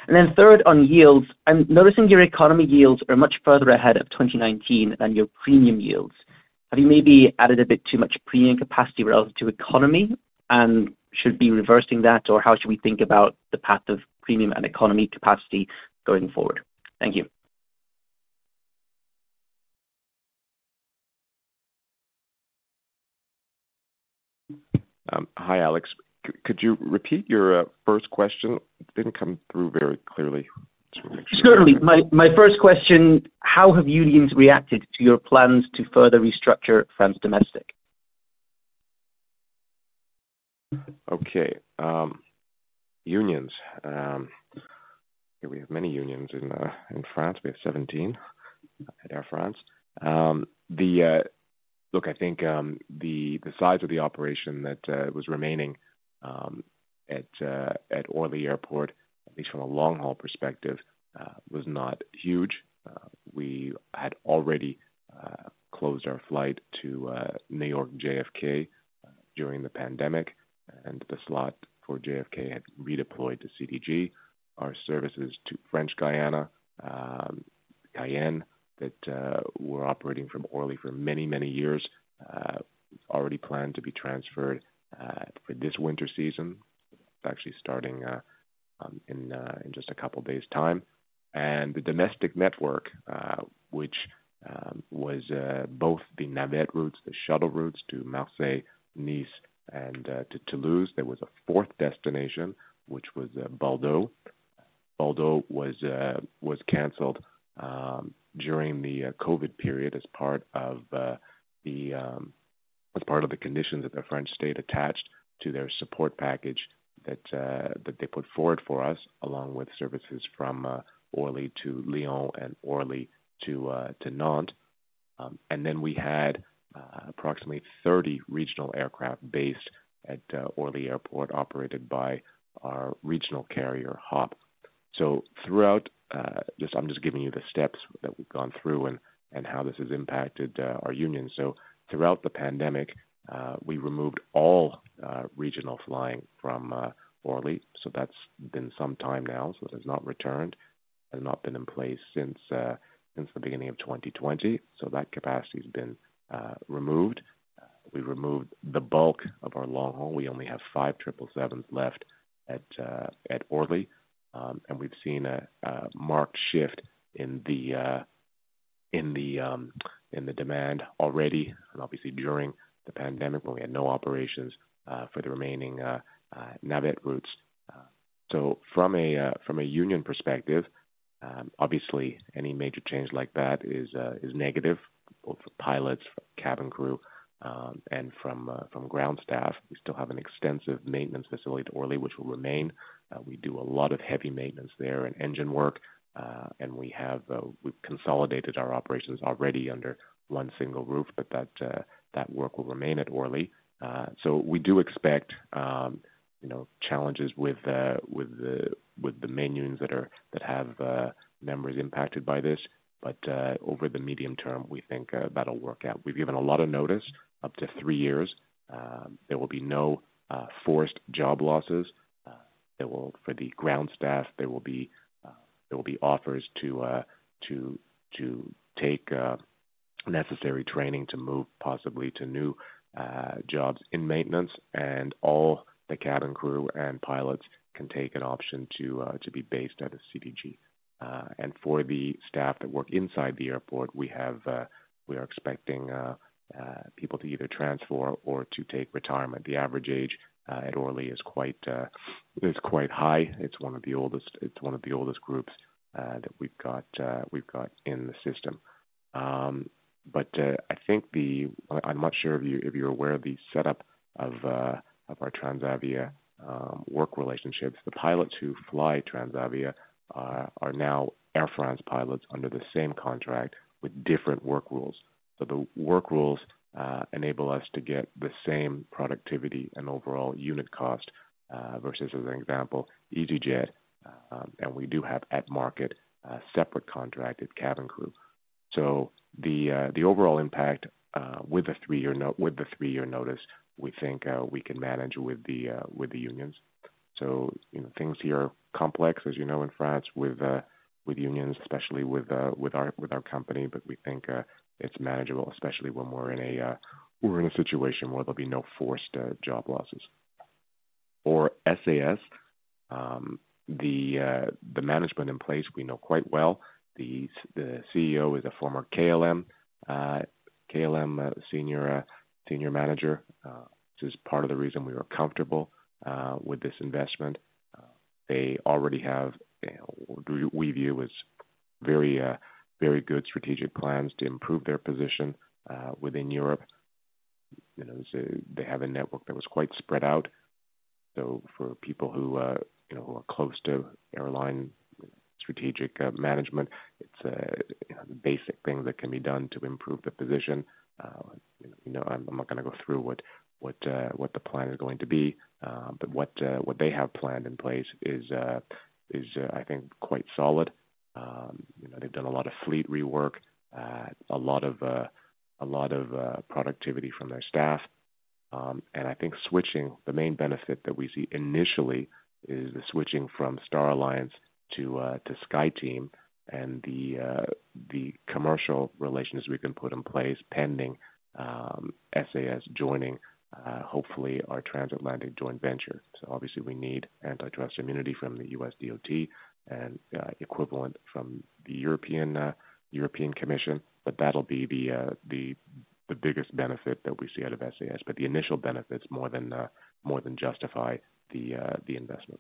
And then third, on yields, I'm noticing your economy yields are much further ahead of 2019 than your premium yields. Have you maybe added a bit too much premium capacity relative to economy and should be reversing that? Or how should we think about the path of premium and economy capacity going forward? Thank you. Hi, Alex. Could you repeat your first question? It didn't come through very clearly. Certainly. My first question: How have unions reacted to your plans to further restructure France domestic? Okay. Unions. We have many unions in France. We have 17 at Air France. Look, I think the size of the operation that was remaining at Orly Airport, at least from a long-haul perspective, was not huge. We had already closed our flight to New York JFK during the pandemic, and the slot for JFK had redeployed to CDG. Our services to French Guiana, Cayenne, that were operating from Orly for many, many years, already planned to be transferred for this winter season. It's actually starting in just a couple of days' time. And the domestic network, which was both the Navette routes, the shuttle routes to Marseille, Nice and to Toulouse. There was a fourth destination, which was Bordeaux. Bordeaux was canceled during the COVID period as part of the conditions that the French state attached to their support package that they put forward for us, along with services from Orly to Lyon and Orly to Nantes. And then we had approximately 30 regional aircraft based at Orly Airport, operated by our regional carrier, HOP. So throughout. Just, I'm just giving you the steps that we've gone through and how this has impacted our union. So throughout the pandemic, we removed all regional flying from Orly. So that's been some time now. So it has not returned and not been in place since the beginning of 2020. So that capacity has been removed. We removed the bulk of our long haul. We only have five triple sevens left at Orly. We've seen a marked shift in the demand already, and obviously during the pandemic, when we had no operations for the remaining Navette routes. From a union perspective, obviously any major change like that is negative, both for pilots, cabin crew, and from ground staff. We still have an extensive maintenance facility at Orly, which will remain. We do a lot of heavy maintenance there and engine work, and we've consolidated our operations already under one single roof, but that work will remain at Orly. So we do expect, you know, challenges with the main unions that have members impacted by this. But over the medium term, we think that'll work out. We've given a lot of notice, up to three years. There will be no forced job losses. There will... For the ground staff, there will be offers to take necessary training to move possibly to new jobs in maintenance, and all the cabin crew and pilots can take an option to be based at a CDG. And for the staff that work inside the airport, we are expecting people to either transfer or to take retirement. The average age at Orly is quite high. It's one of the oldest groups that we've got in the system. But I think I'm not sure if you're aware of the setup of our Transavia work relationships. The pilots who fly Transavia are now Air France pilots under the same contract with different work rules. So the work rules enable us to get the same productivity and overall unit cost versus, as an example, easyJet. And we do have at-market separate contracted cabin crew. So the overall impact with the three-year notice, we think we can manage with the unions. So, you know, things here are complex, as you know, in France, with unions, especially with our company. But we think it's manageable, especially when we're in a situation where there'll be no forced job losses. For SAS, the management in place, we know quite well. The CEO is a former KLM senior manager, which is part of the reason we were comfortable with this investment. They already have, we view as very good strategic plans to improve their position within Europe. You know, so they have a network that was quite spread out. So for people who, you know, are close to airline strategic management, it's a basic thing that can be done to improve the position. You know, I'm not gonna go through what the plan is going to be, but what they have planned in place is, I think quite solid. You know, they've done a lot of fleet rework, a lot of productivity from their staff. And I think switching—the main benefit that we see initially is the switching from Star Alliance to SkyTeam and the commercial relations we can put in place, pending SAS joining, hopefully our transatlantic joint venture. So obviously we need antitrust immunity from the U.S. DOT and equivalent from the European Commission, but that'll be the biggest benefit that we see out of SAS. But the initial benefits more than justify the investment.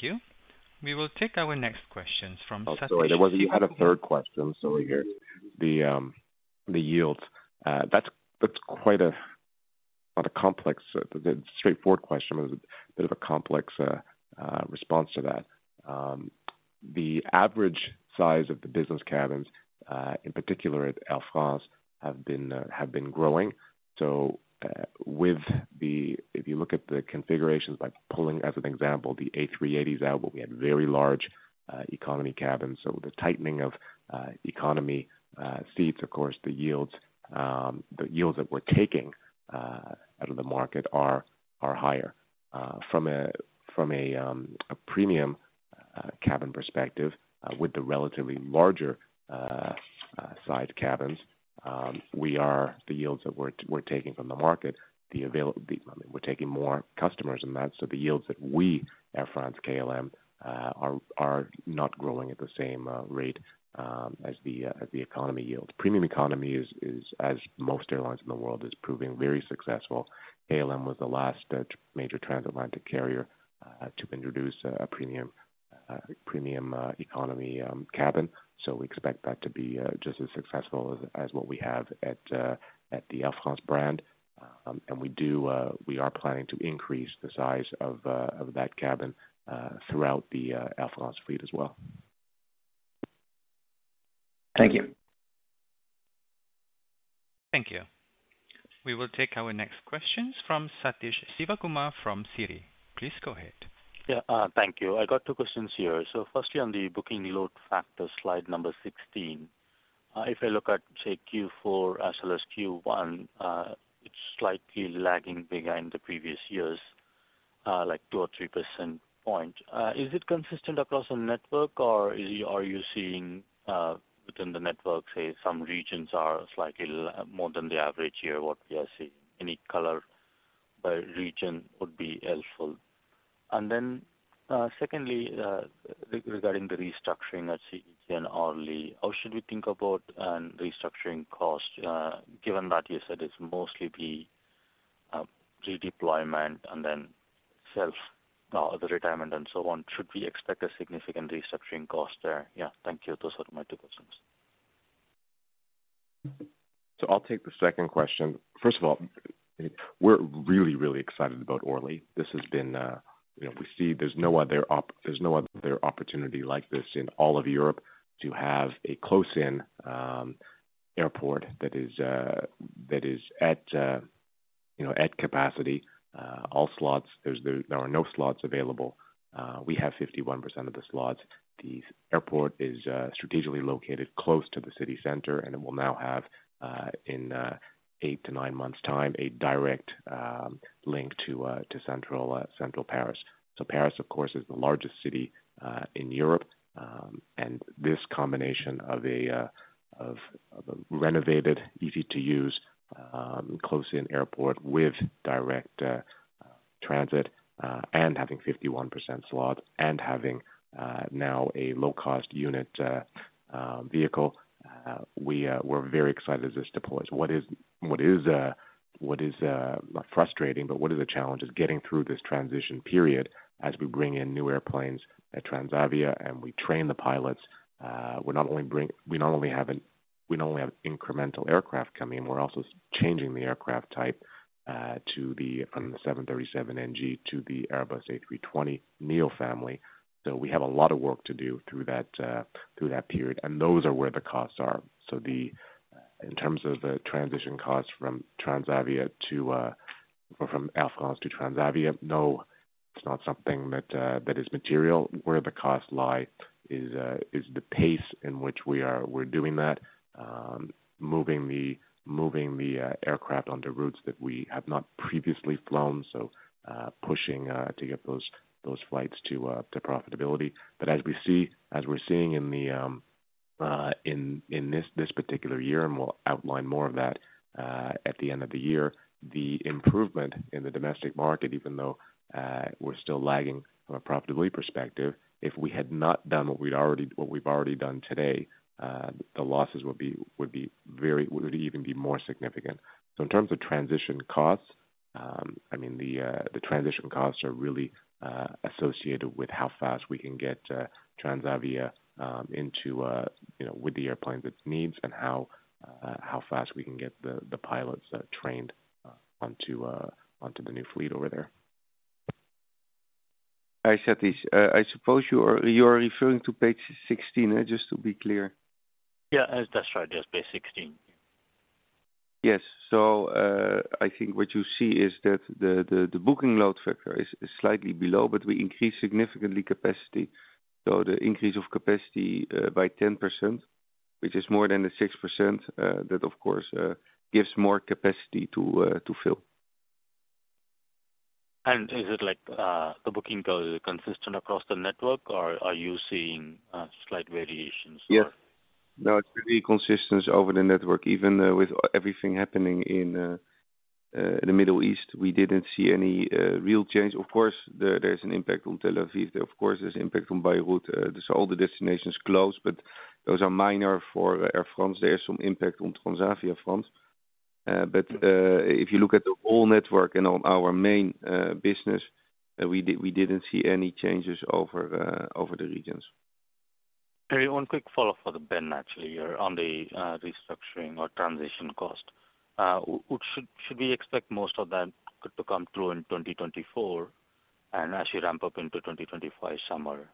Thank you. We will take our next questions from- Oh, sorry, there was... You had a third question. So here, the yields. That's quite a complex, straightforward question, but a bit of a complex response to that. The average size of the business cabins, in particular at Air France, have been growing. So, with the... If you look at the configurations, like pulling as an example, the A380s out, where we had very large economy cabins. So the tightening of economy seats, of course, the yields that we're taking out of the market are higher. From a premium cabin perspective, with the relatively larger size cabins, we are - the yields that we're taking from the market, we're taking more customers than that. So the yields that we, Air France-KLM, are not growing at the same rate as the economy yield. Premium Economy is, as most airlines in the world, proving very successful. KLM was the last major transatlantic carrier to introduce a Premium Economy cabin. So we expect that to be just as successful as what we have at the Air France brand. And we are planning to increase the size of that cabin throughout the Air France fleet as well. Thank you. Thank you. We will take our next questions from Sathish Sivakumar from Citi. Please go ahead. Yeah, thank you. I got 2 questions here. So firstly, on the booking load factor, slide number 16. If I look at, say, Q4 as well as Q1, it's slightly lagging behind the previous years, like 2 or 3 percentage points. Is it consistent across the network, or is it... Are you seeing, within the network, say, some regions are slightly more than the average here? What are we seeing? Any color by region would be helpful. And then, secondly, regarding the restructuring at station Orly, how should we think about restructuring costs, given that you said it's mostly the redeployment and then severance, the retirement and so on? Should we expect a significant restructuring cost there? Yeah, thank you. Those are my two questions. So I'll take the second question. First of all, we're really, really excited about Orly. This has been, you know, we see there's no other opportunity like this in all of Europe to have a close-in airport that is, that is at, you know, at capacity. All slots, there are no slots available. We have 51% of the slots. The airport is strategically located close to the city center, and it will now have, in, eight to nine months' time, a direct link to, to central, central Paris. So Paris, of course, is the largest city in Europe. And this combination of a renovated, easy-to-use, close-in airport with direct transit and having 51% slots and having now a low-cost unit vehicle, we're very excited as this deploys. What is frustrating, but what is the challenge is getting through this transition period as we bring in new airplanes at Transavia and we train the pilots. We're not only bring we not only have an we not only have incremental aircraft coming in, we're also changing the aircraft type to the from the 737 NG to the Airbus A320neo family. So we have a lot of work to do through that period, and those are where the costs are. So, in terms of the transition costs from Transavia to, from Air France to Transavia, no, it's not something that, that is material. Where the costs lie is the pace in which we are—we're doing that, moving the aircraft on the routes that we have not previously flown, so, pushing to get those flights to profitability. But as we see, as we're seeing in this particular year, and we'll outline more of that at the end of the year, the improvement in the domestic market, even though we're still lagging from a profitability perspective, if we had not done what we've already done today, the losses would be very—would even be more significant. In terms of transition costs, I mean, the transition costs are really associated with how fast we can get Transavia into, you know, with the airplanes it needs, and how fast we can get the pilots trained onto the new fleet over there. Hi, Sathish, I suppose you are referring to page 16, just to be clear? Yeah, that's right, just page 16. Yes. So, I think what you see is that the booking load factor is slightly below, but we increased significantly capacity. So the increase of capacity by 10%, which is more than the 6%, that of course gives more capacity to fill. Is it like, the booking load is consistent across the network, or are you seeing slight variations, or? Yes. No, it's pretty consistent over the network. Even with everything happening in the Middle East, we didn't see any real change. Of course, there's an impact on Tel Aviv. Of course, there's impact on Beirut. So all the destinations closed, but those are minor for Air France. There is some impact on Transavia France. But if you look at the whole network and on our main business, we didn't see any changes over the regions. One quick follow-up for Ben, actually, on the restructuring or transition cost. Should we expect most of that to come through in 2024, and as you ramp up into 2025 somewhere?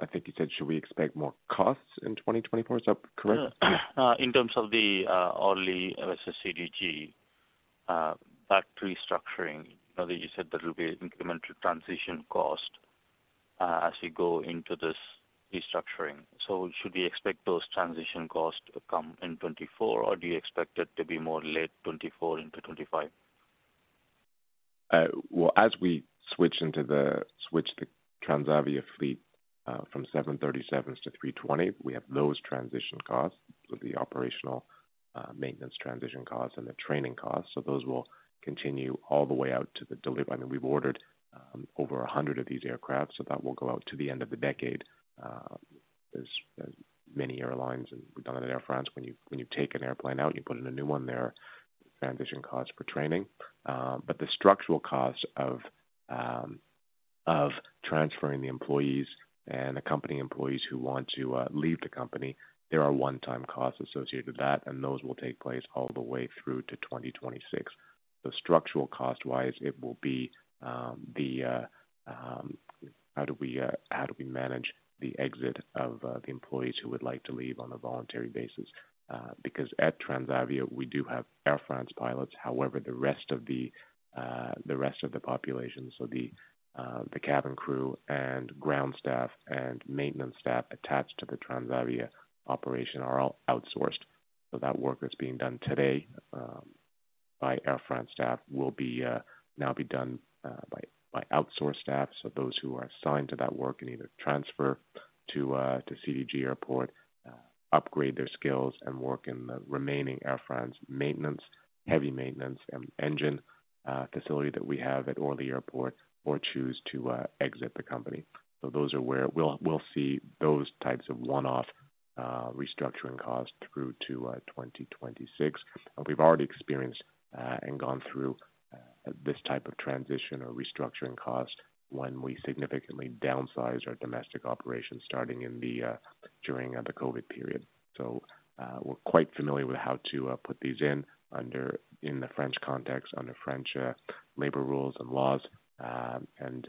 I think you said, should we expect more costs in 2024? Is that correct? In terms of the Orly/CDG that restructuring, I know you said there will be incremental transition cost as you go into this restructuring. So should we expect those transition costs to come in 2024, or do you expect it to be more late 2024 into 2025? Well, as we switch the Transavia fleet from 737s to 320s, we have those transition costs, so the operational maintenance transition costs and the training costs. So those will continue all the way out to the delivery. I mean, we've ordered over 100 of these aircraft, so that will go out to the end of the decade. As many airlines, and we've done it at Air France, when you take an airplane out, you put in a new one there, transition costs for training. But the structural costs of transferring the employees and the company employees who want to leave the company, there are one-time costs associated with that, and those will take place all the way through to 2026. So structural cost-wise, it will be how do we manage the exit of the employees who would like to leave on a voluntary basis? Because at Transavia, we do have Air France pilots. However, the rest of the population, so the cabin crew and ground staff and maintenance staff attached to the Transavia operation are all outsourced. So that work that's being done today by Air France staff will now be done by outsourced staff. So those who are assigned to that work can either transfer to CDG Airport, upgrade their skills and work in the remaining Air France maintenance, heavy maintenance and engine facility that we have at Orly Airport, or choose to exit the company. So those are where we'll see those types of one-off restructuring costs through to 2026. And we've already experienced and gone through this type of transition or restructuring cost when we significantly downsized our domestic operations, starting during the COVID period. So we're quite familiar with how to put these in under, in the French context, under French labor rules and laws. And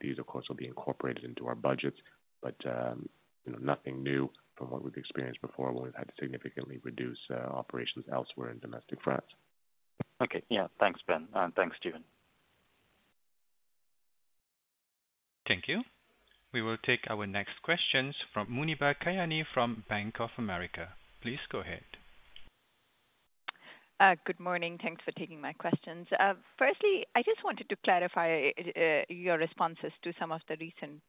these, of course, will be incorporated into our budgets, but you know, nothing new from what we've experienced before, when we've had to significantly reduce operations elsewhere in domestic France. Okay. Yeah. Thanks, Ben, and thanks, Steven. Thank you. We will take our next questions from Muneeba Kayani, from Bank of America. Please go ahead. Good morning. Thanks for taking my questions. Firstly, I just wanted to clarify your responses to some of the recent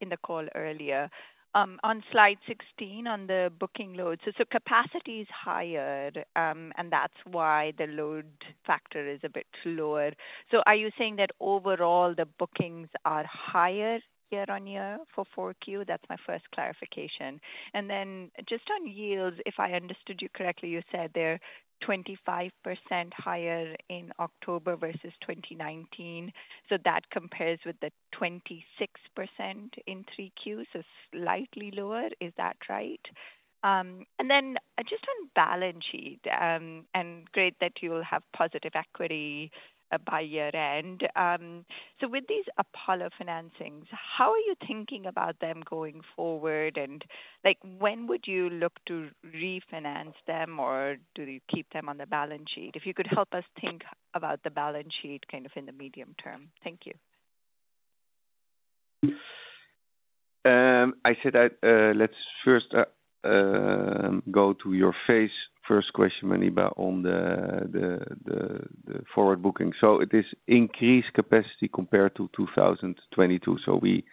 in the call earlier. On slide 16, on the booking loads, so capacity is higher, and that's why the load factor is a bit lower. So are you saying that overall the bookings are higher year-on-year for 4Q? That's my first clarification. And then just on yields, if I understood you correctly, you said they're 25% higher in October versus 2019. So that compares with the 26% in 3Q, so slightly lower. Is that right? And then just on balance sheet, and great that you will have positive equity by year-end. So with these Apollo financings, how are you thinking about them going forward? Like, when would you look to refinance them, or do you keep them on the balance sheet? If you could help us think about the balance sheet, kind of, in the medium term. Thank you. I said let's first go to your first question, Muneeba, on the forward booking. So it is increased capacity compared to 2022. So we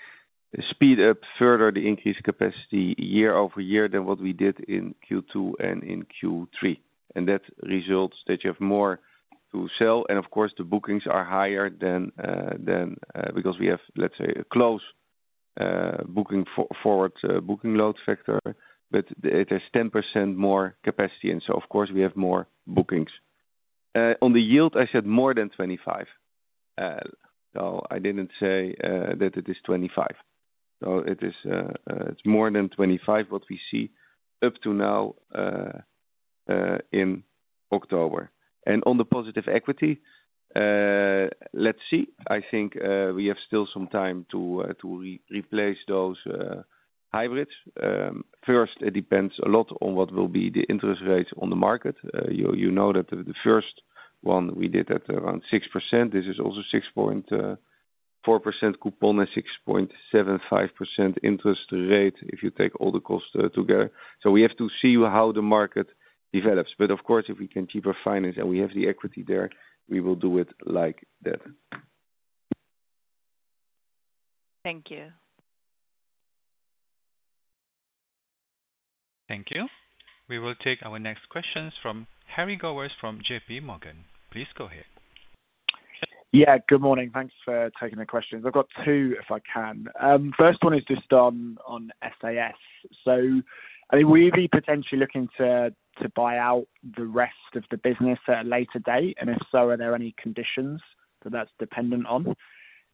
speed up further the increased capacity year over year than what we did in Q2 and in Q3, and that results that you have more to sell, and of course, the bookings are higher than that because we have, let's say, a close forward booking load factor, but it is 10% more capacity, and so of course we have more bookings. On the yield, I said more than 25. So I didn't say that it is 25. So it is more than 25, what we see up to now in October. And on the positive equity, let's see. I think, we have still some time to, to replace those, hybrids. First, it depends a lot on what will be the interest rates on the market. You know, that the first one we did at around 6%, this is also 6.4% coupon and 6.75% interest rate, if you take all the costs, together. So we have to see how the market develops. But of course, if we can cheaper finance and we have the equity there, we will do it like that. Thank you. Thank you. We will take our next questions from Harry Gowers from JPMorgan. Please go ahead. Yeah, good morning. Thanks for taking the questions. I've got two, if I can. First one is just on, on SAS. So I mean, will you be potentially looking to, to buy out the rest of the business at a later date? And if so, are there any conditions that that's dependent on?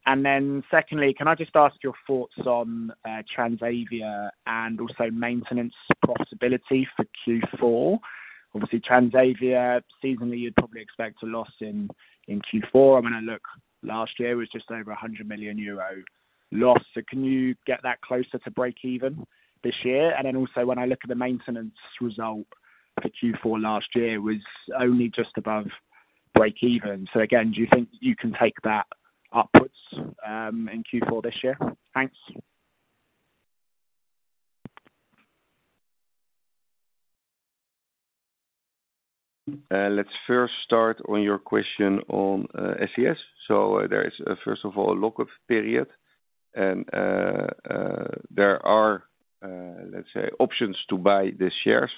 And then secondly, can I just ask your thoughts on Transavia and also maintenance possibility for Q4? Obviously, Transavia, seasonally, you'd probably expect a loss in Q4. I mean, I look last year was just over 100 million euro loss. So can you get that closer to breakeven this year? And then also when I look at the maintenance result for Q4 last year was only just above breakeven. So again, do you think you can take that upwards in Q4 this year? Thanks. Let's first start on your question on SAS. So there is, first of all, a lock-up period, and there are, let's say, options to buy the shares,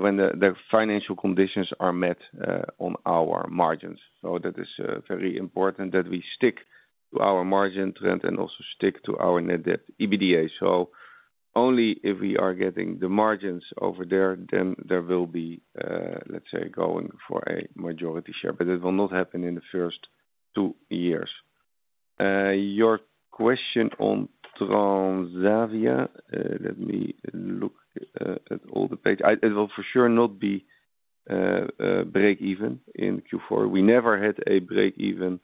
when the financial conditions are met, on our margins. So that is very important that we stick to our margin trend and then also stick to our net debt, EBITDA. So only if we are getting the margins over there, then there will be, let's say, going for a majority share, but it will not happen in the first two years. Your question on Transavia, let me look at all the page. It will for sure not be breakeven in Q4. We never had a breakeven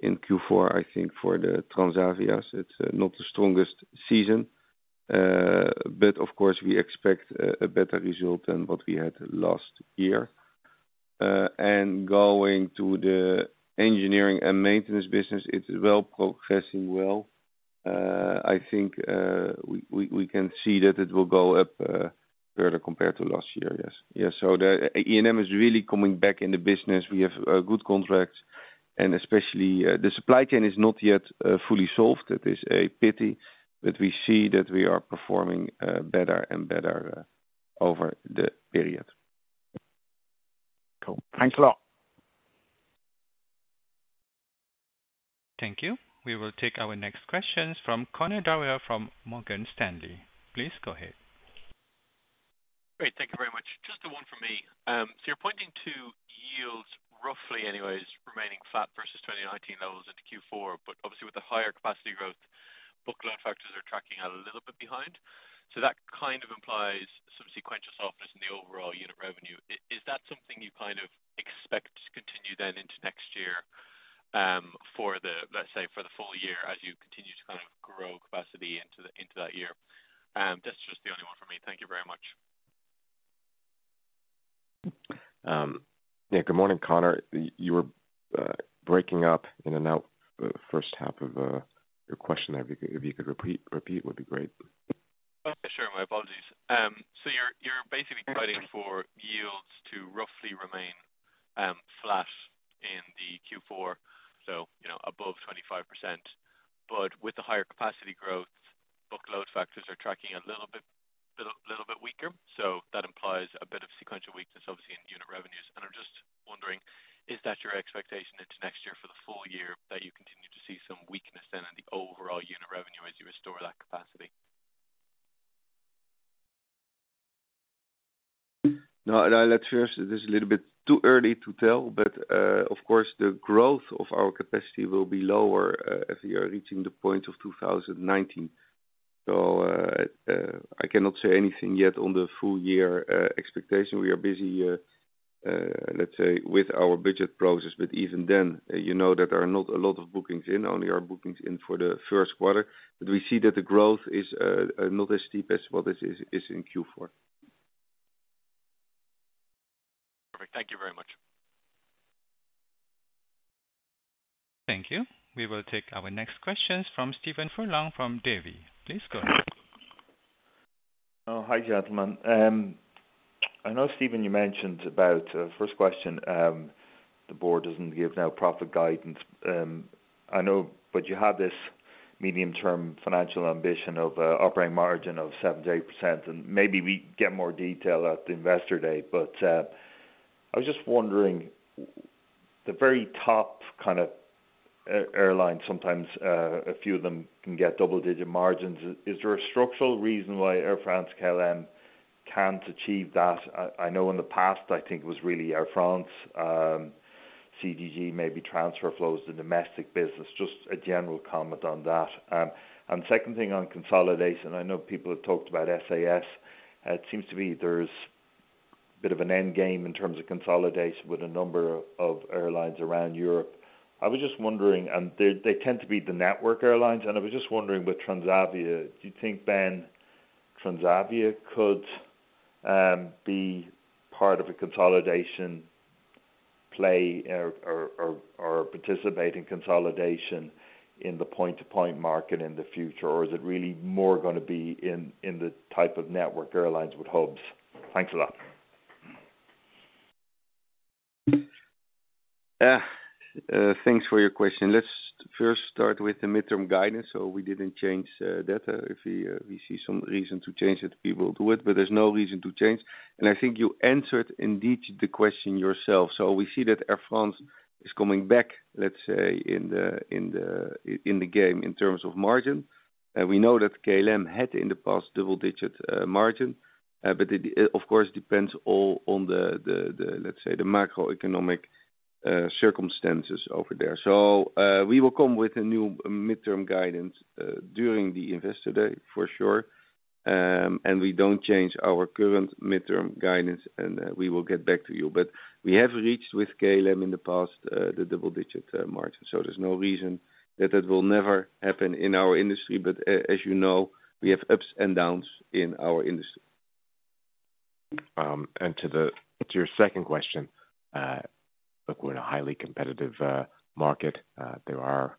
in Q4, I think, for Transavia. It's not the strongest season, but of course, we expect a better result than what we had last year. And going to the engineering and maintenance business, it's well, progressing well. I think, we can see that it will go up further compared to last year. Yes. Yeah, so the A&M is really coming back in the business. We have good contracts, and especially, the supply chain is not yet fully solved. It is a pity, but we see that we are performing better and better over the period. Cool. Thanks a lot. Thank you. We will take our next questions from Conor Dwyer from Morgan Stanley. Please go ahead. Great. Thank you very much. Just the one from me. So you're pointing to yields roughly anyways, remaining flat versus 2019 levels into Q4, but obviously with the higher capacity growth, book load factors are tracking a little bit behind. So that kind of implies some sequential softness in the overall unit revenue. Is that something you kind of expect to continue then into next year, for the, let's say, for the full year, as you continue to kind of grow capacity into the, into that year? That's just the only one for me. Thank you very much. Yeah, good morning, Conor. You were breaking up in and out the first half of your question there. If you could repeat, would be great. Oh, sure. My apologies. So you're basically planning for yields to roughly remain flat in the Q4, so, you know, above 25%. But with the higher capacity growth, book load factors are tracking a little bit weaker. So that implies a bit of sequential weakness obviously in unit revenues. And I'm just wondering, is that your expectation into next year for the full year, that you continue to see some weakness then in the overall unit revenue as you restore that capacity? No, let's first, this is a little bit too early to tell, but, of course, the growth of our capacity will be lower, as we are reaching the point of 2019. So, I cannot say anything yet on the full year expectation. We are busy, let's say, with our budget process, but even then, you know that there are not a lot of bookings in, only our bookings in for the first quarter. But we see that the growth is not as steep as what is in Q4. Perfect. Thank you very much. Thank you. We will take our next questions from Stephen Furlong, from Davy. Please go ahead. Oh, hi, gentlemen. I know, Steven, you mentioned about first question, the board doesn't give now profit guidance. I know, but you have medium-term financial ambition of operating margin of 7%-8%, and maybe we get more detail at the Investor Day. But I was just wondering, the very top kind of airlines, sometimes a few of them can get double-digit margins. Is there a structural reason why Air France-KLM can't achieve that? I know in the past, I think it was really Air France, CDG, maybe transfer flows to domestic business. Just a general comment on that. And second thing on consolidation, I know people have talked about SAS. It seems to me there's a bit of an end game in terms of consolidation with a number of airlines around Europe. I was just wondering, and they, they tend to be the network airlines, and I was just wondering, with Transavia, do you think then Transavia could, be part of a consolidation play or, or, or, participate in consolidation in the point-to-point market in the future, or is it really more gonna be in, in the type of network airlines with hubs? Thanks a lot. Thanks for your question. Let's first start with the midterm guidance. So we didn't change that. If we see some reason to change it, we will do it, but there's no reason to change. And I think you answered, indeed, the question yourself. So we see that Air France is coming back, let's say, in the game, in terms of margin. And we know that KLM had, in the past, double-digit margin, but it of course depends all on the, let's say, the macroeconomic circumstances over there. So we will come with a new midterm guidance during the Investor Day, for sure, and we don't change our current midterm guidance, and we will get back to you. But we have reached with KLM in the past, the double-digit margin, so there's no reason that that will never happen in our industry. But as you know, we have ups and downs in our industry. To your second question, look, we're in a highly competitive market. There are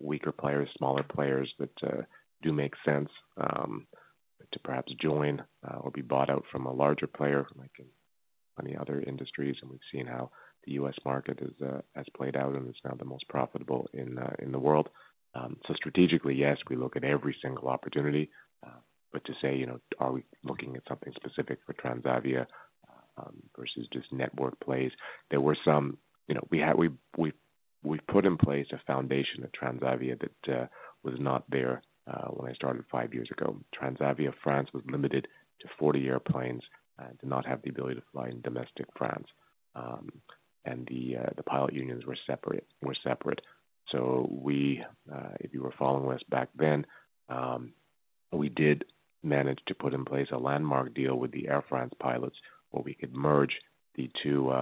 weaker players, smaller players that do make sense to perhaps join or be bought out from a larger player, like in many other industries. And we've seen how the U.S. market has played out, and it's now the most profitable in the world. So strategically, yes, we look at every single opportunity, but to say, you know, are we looking at something specific for Transavia versus just network plays? You know, we put in place a foundation at Transavia that was not there when I started five years ago. Transavia France was limited to 40 airplanes and did not have the ability to fly in domestic France. And the pilot unions were separate, were separate. So we, if you were following us back then, we did manage to put in place a landmark deal with the Air France pilots, where we could merge the two,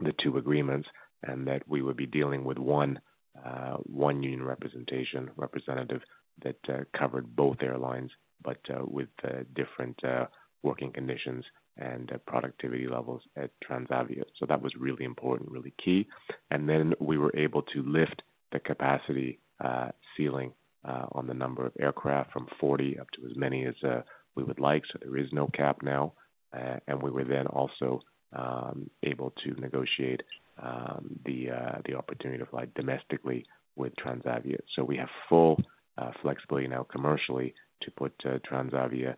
the two agreements, and that we would be dealing with one, one union representation-representative that, covered both airlines, but, with, different, working conditions and productivity levels at Transavia. So that was really important, really key. And then we were able to lift the capacity, ceiling, on the number of aircraft from 40 up to as many as, we would like. So there is no cap now. And we were then also, able to negotiate, the, the opportunity to fly domestically with Transavia. So we have full flexibility now commercially to put Transavia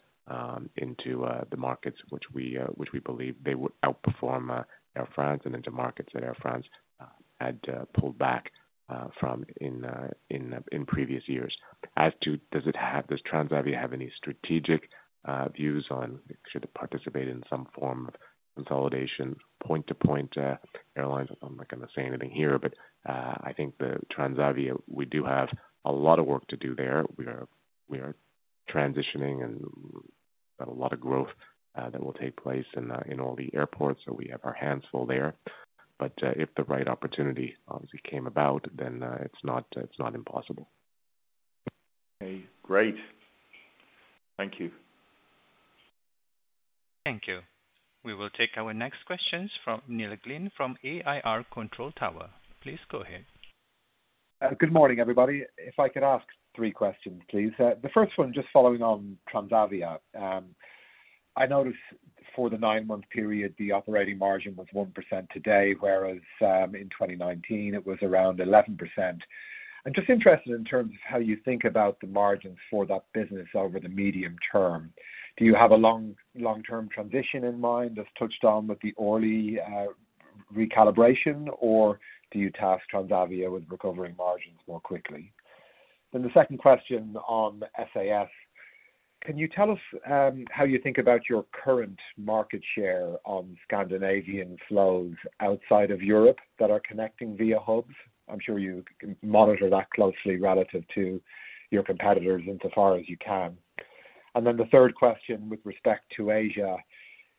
into the markets which we believe they would outperform Air France and into markets that Air France had pulled back from in previous years. As to, does Transavia have any strategic views on should it participate in some form of consolidation, point-to-point airlines? I'm not gonna say anything here, but I think the Transavia, we do have a lot of work to do there. We are transitioning and got a lot of growth that will take place in all the airports, so we have our hands full there. But if the right opportunity obviously came about, then it's not impossible. Okay, great. Thank you. Thank you. We will take our next questions from Neil Glynn from AIR Control Tower. Please go ahead. Good morning, everybody. If I could ask three questions, please. The first one, just following on Transavia. I noticed for the nine-month period, the operating margin was 1% today, whereas, in 2019, it was around 11%. I'm just interested in terms of how you think about the margins for that business over the medium term. Do you have a long, long-term transition in mind, as touched on with the Orly recalibration, or do you task Transavia with recovering margins more quickly? Then the second question on SAS: Can you tell us, how you think about your current market share on Scandinavian flows outside of Europe that are connecting via hubs? I'm sure you can monitor that closely relative to your competitors, insofar as you can. Then the third question with respect to Asia,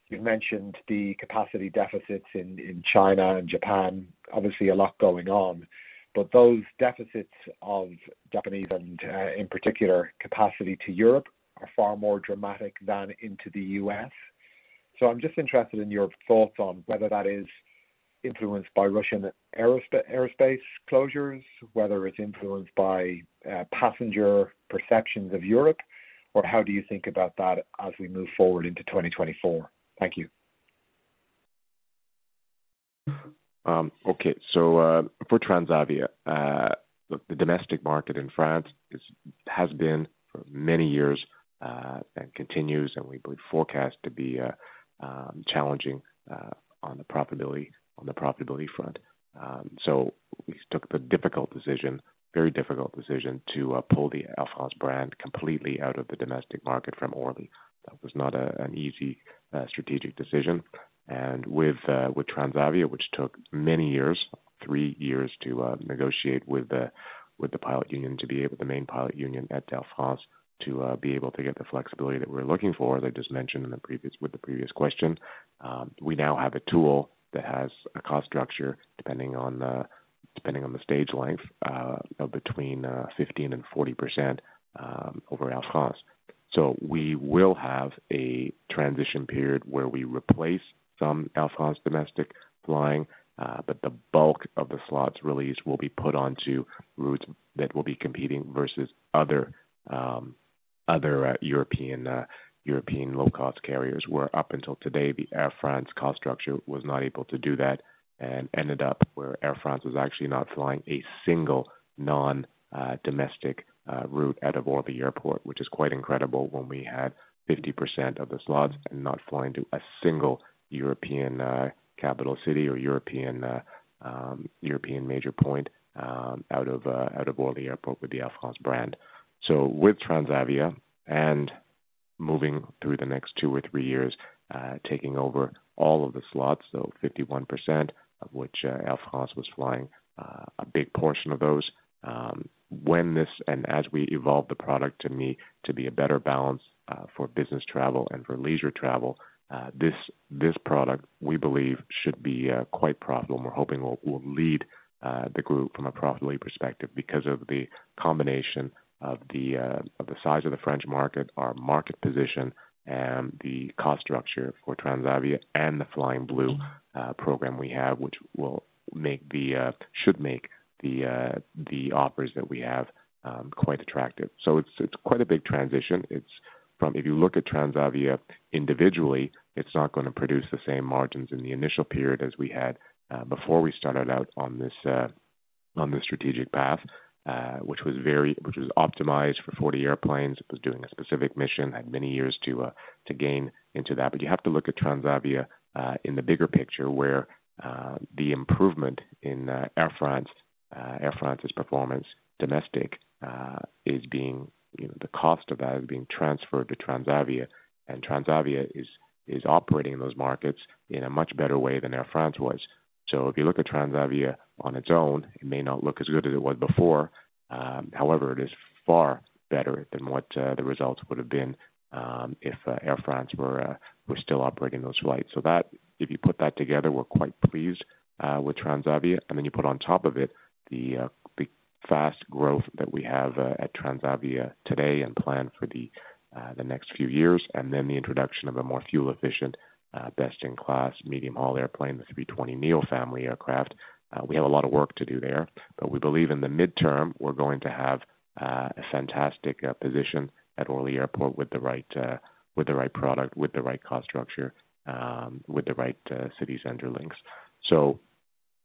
you've mentioned the capacity deficits in China and Japan. Obviously, a lot going on, but those deficits of Japanese and in particular, capacity to Europe, are far more dramatic than into the U.S. So I'm just interested in your thoughts on whether that is influenced by Russian aerospace closures, whether it's influenced by passenger perceptions of Europe, or how do you think about that as we move forward into 2024? Thank you.... Okay. So, for Transavia, the domestic market in France is, has been for many years, and continues, and we believe forecast to be, challenging, on the profitability, on the profitability front. So we took the difficult decision, very difficult decision to pull the Air France brand completely out of the domestic market from Orly. That was not an easy strategic decision. And with Transavia, which took many years, three years to negotiate with the pilot union, the main pilot union at Air France, to be able to get the flexibility that we're looking for, as I just mentioned in the previous—with the previous question. We now have a tool that has a cost structure, depending on the stage length, of between 15% and 40% over Air France. So we will have a transition period where we replace some Air France domestic flying, but the bulk of the slots released will be put onto routes that will be competing versus other European low-cost carriers. Where up until today, the Air France cost structure was not able to do that and ended up where Air France was actually not flying a single non-domestic route out of Orly Airport, which is quite incredible when we had 50% of the slots and not flying to a single European capital city or European European major point out of out of Orly Airport with the Air France brand. So with Transavia and moving through the next two or three years taking over all of the slots, so 51% of which Air France was flying a big portion of those. When this and as we evolve the product to me, to be a better balance for business travel and for leisure travel, this product, we believe, should be quite profitable, and we're hoping will lead the group from a profitability perspective because of the combination of the size of the French market, our market position, and the cost structure for Transavia. And the Flying Blue program we have, which should make the offers that we have quite attractive. So it's quite a big transition. It's from if you look at Transavia individually, it's not gonna produce the same margins in the initial period as we had before we started out on this strategic path, which was optimized for 40 airplanes. It was doing a specific mission, had many years to gain into that. But you have to look at Transavia in the bigger picture, where the improvement in Air France, Air France's performance, domestic, is being, you know, the cost of that is being transferred to Transavia. And Transavia is operating in those markets in a much better way than Air France was. So if you look at Transavia on its own, it may not look as good as it was before. However, it is far better than what the results would have been if Air France were still operating those flights. So that, if you put that together, we're quite pleased with Transavia. And then you put on top of it the fast growth that we have at Transavia today and planned for the next few years, and then the introduction of a more fuel efficient, best-in-class, medium-haul airplane, the 320neo family aircraft. We have a lot of work to do there, but we believe in the midterm, we're going to have a fantastic position at Orly Airport with the right with the right product, with the right cost structure, with the right city center links. So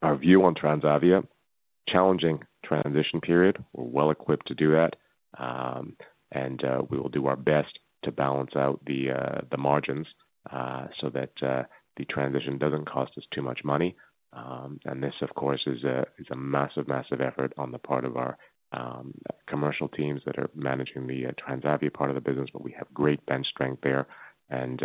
our view on Transavia, challenging transition period. We're well equipped to do that. And we will do our best to balance out the margins so that the transition doesn't cost us too much money. And this, of course, is a massive, massive effort on the part of our commercial teams that are managing the Transavia part of the business. But we have great bench strength there, and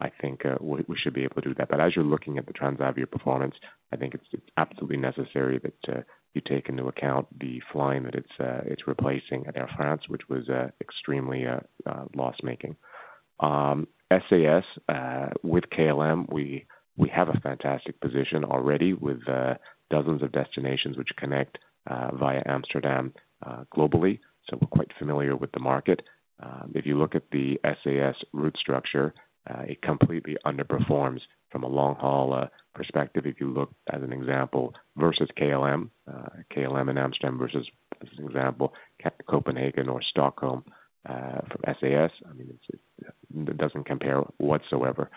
I think we should be able to do that. But as you're looking at the Transavia performance, I think it's absolutely necessary that you take into account the flying that it's replacing at Air France, which was extremely loss-making. SAS with KLM, we have a fantastic position already with dozens of destinations which connect via Amsterdam globally. So we're quite familiar with the market. If you look at the SAS route structure, it completely underperforms from a long-haul perspective. If you look, as an example, versus KLM, KLM and Amsterdam versus, as an example, Copenhagen or Stockholm, from SAS, I mean, it doesn't compare whatsoever.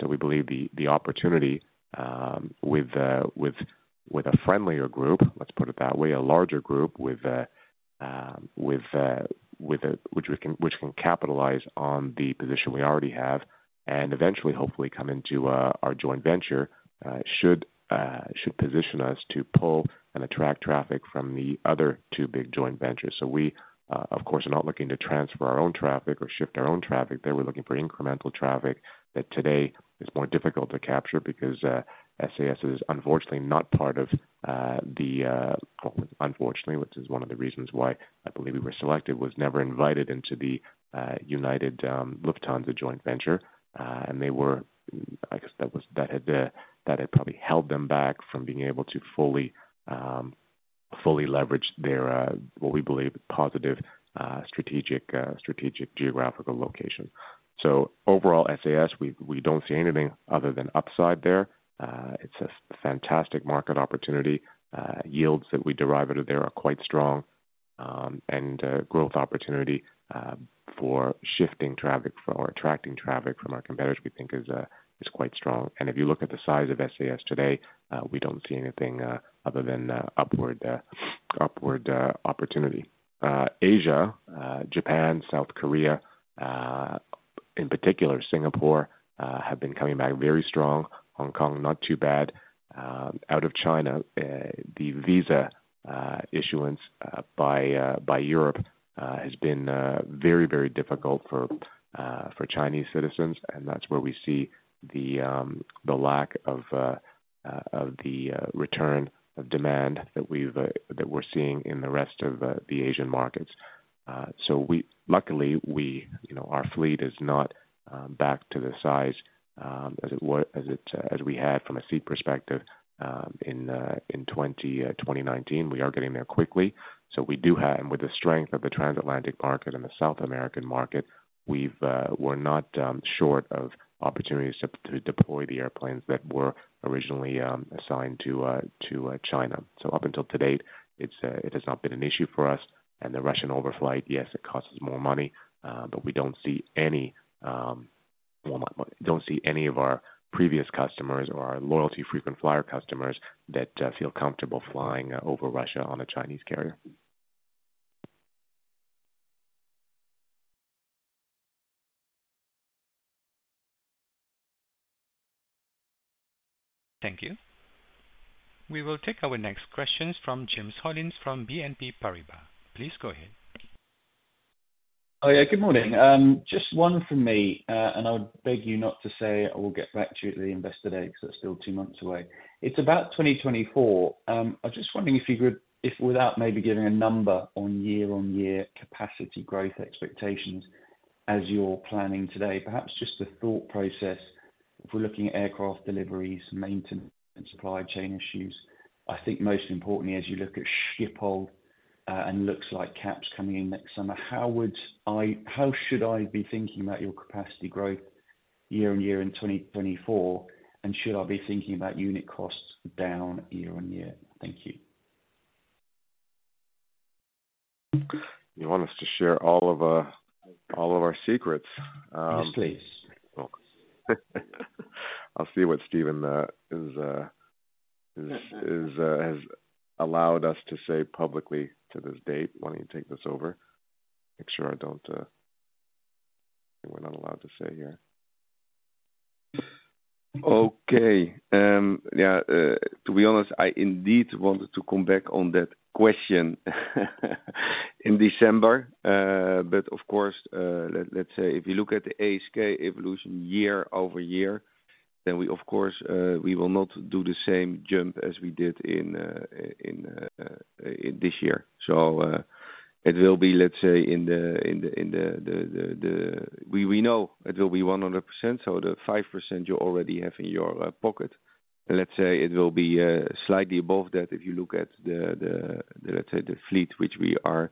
So we believe the opportunity with a friendlier group, let's put it that way, a larger group with a which can capitalize on the position we already have and eventually, hopefully come into our joint venture should position us to pull and attract traffic from the other two big joint ventures. So we, of course, are not looking to transfer our own traffic or shift our own traffic there. We're looking for incremental traffic that today is more difficult to capture because SAS is unfortunately not part of the... Unfortunately, which is one of the reasons why I believe we were selected, was never invited into the, United, Lufthansa joint venture. And that had probably held them back from being able to fully leverage their, what we believe, positive strategic geographical location. So overall, SAS, we don't see anything other than upside there. It's a fantastic market opportunity. Yields that we derive out of there are quite strong.... And growth opportunity, for shifting traffic or attracting traffic from our competitors, we think is quite strong. And if you look at the size of SAS today, we don't see anything other than upward opportunity. Asia, Japan, South Korea, in particular, Singapore, have been coming back very strong. Hong Kong, not too bad. Out of China, the visa issuance by Europe has been very, very difficult for Chinese citizens, and that's where we see the lack of the return of demand that we're seeing in the rest of the Asian markets. So we—luckily we, you know, our fleet is not back to the size as it was, as we had from a seat perspective, in 2019. We are getting there quickly. </transcript We do have, with the strength of the transatlantic market and the South American market, we're not short of opportunities to deploy the airplanes that were originally assigned to China. Up until to date, it has not been an issue for us. The Russian overflight, yes, it costs more money, but we don't see any, well, not money... Don't see any of our previous customers or our loyalty frequent flyer customers that feel comfortable flying over Russia on a Chinese carrier. Thank you. We will take our next questions from James Hollins, from BNP Paribas. Please go ahead. Oh, yeah, good morning. Just one from me, and I would beg you not to say I will get back to you at the Investor Day, 'cause that's still two months away. It's about 2024. I was just wondering if you could, if without maybe giving a number on year-on-year capacity growth expectations as you're planning today, perhaps just the thought process for looking at aircraft deliveries, maintenance, and supply chain issues. I think most importantly, as you look at Schiphol, and looks like caps coming in next summer, how should I be thinking about your capacity growth year on year in 2024? And should I be thinking about unit costs down year on year? Thank you. You want us to share all of our secrets? Yes, please. I'll see what Steven has allowed us to say publicly to this date. Why don't you take this over? Make sure I don't, we're not allowed to say here. Okay. Yeah, to be honest, I indeed wanted to come back on that question in December. But of course, let's say, if you look at the ASK evolution year-over-year, then we of course, we will not do the same jump as we did in this year. So, it will be, let's say... We know it will be 100%, so the 5% you already have in your pocket. Let's say it will be slightly above that if you look at the, let's say, the fleet which we are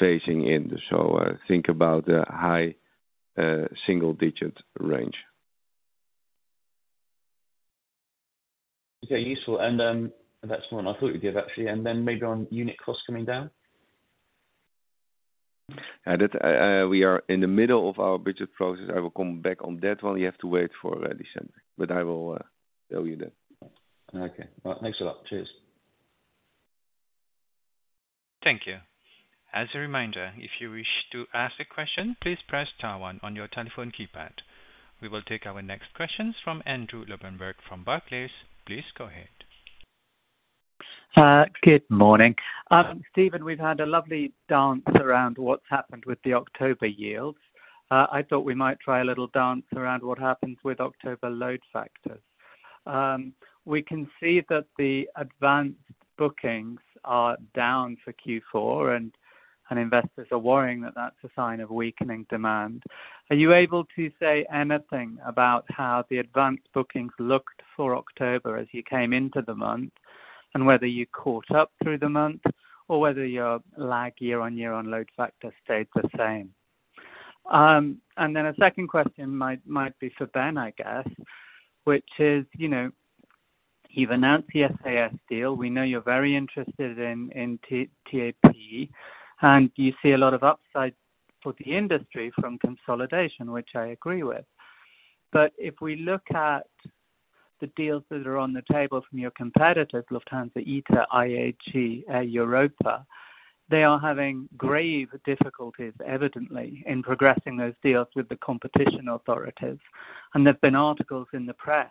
phasing in. So, think about the high single-digit range. Okay, useful. That's the one I thought you'd give, actually. Then maybe on unit costs coming down? And that we are in the middle of our budget process. I will come back on that one. You have to wait for December, but I will tell you then. Okay. Well, thanks a lot. Cheers. Thank you. As a reminder, if you wish to ask a question, please press star one on your telephone keypad. We will take our next questions from Andrew Lobbenberg from Barclays. Please go ahead. Good morning. Steven, we've had a lovely dance around what's happened with the October yields. I thought we might try a little dance around what happens with October load factors. We can see that the advanced bookings are down for Q4, and investors are worrying that that's a sign of weakening demand. Are you able to say anything about how the advanced bookings looked for October as you came into the month? And whether you caught up through the month, or whether your lag year-on-year on load factor stayed the same? And then a second question might be for Ben, I guess, which is, you know, you've announced the SAS deal. We know you're very interested in TAP, and you see a lot of upside for the industry from consolidation, which I agree with. If we look at the deals that are on the table from your competitors, Lufthansa, ITA, IAG, Air Europa, they are having grave difficulties, evidently, in progressing those deals with the competition authorities. There have been articles in the press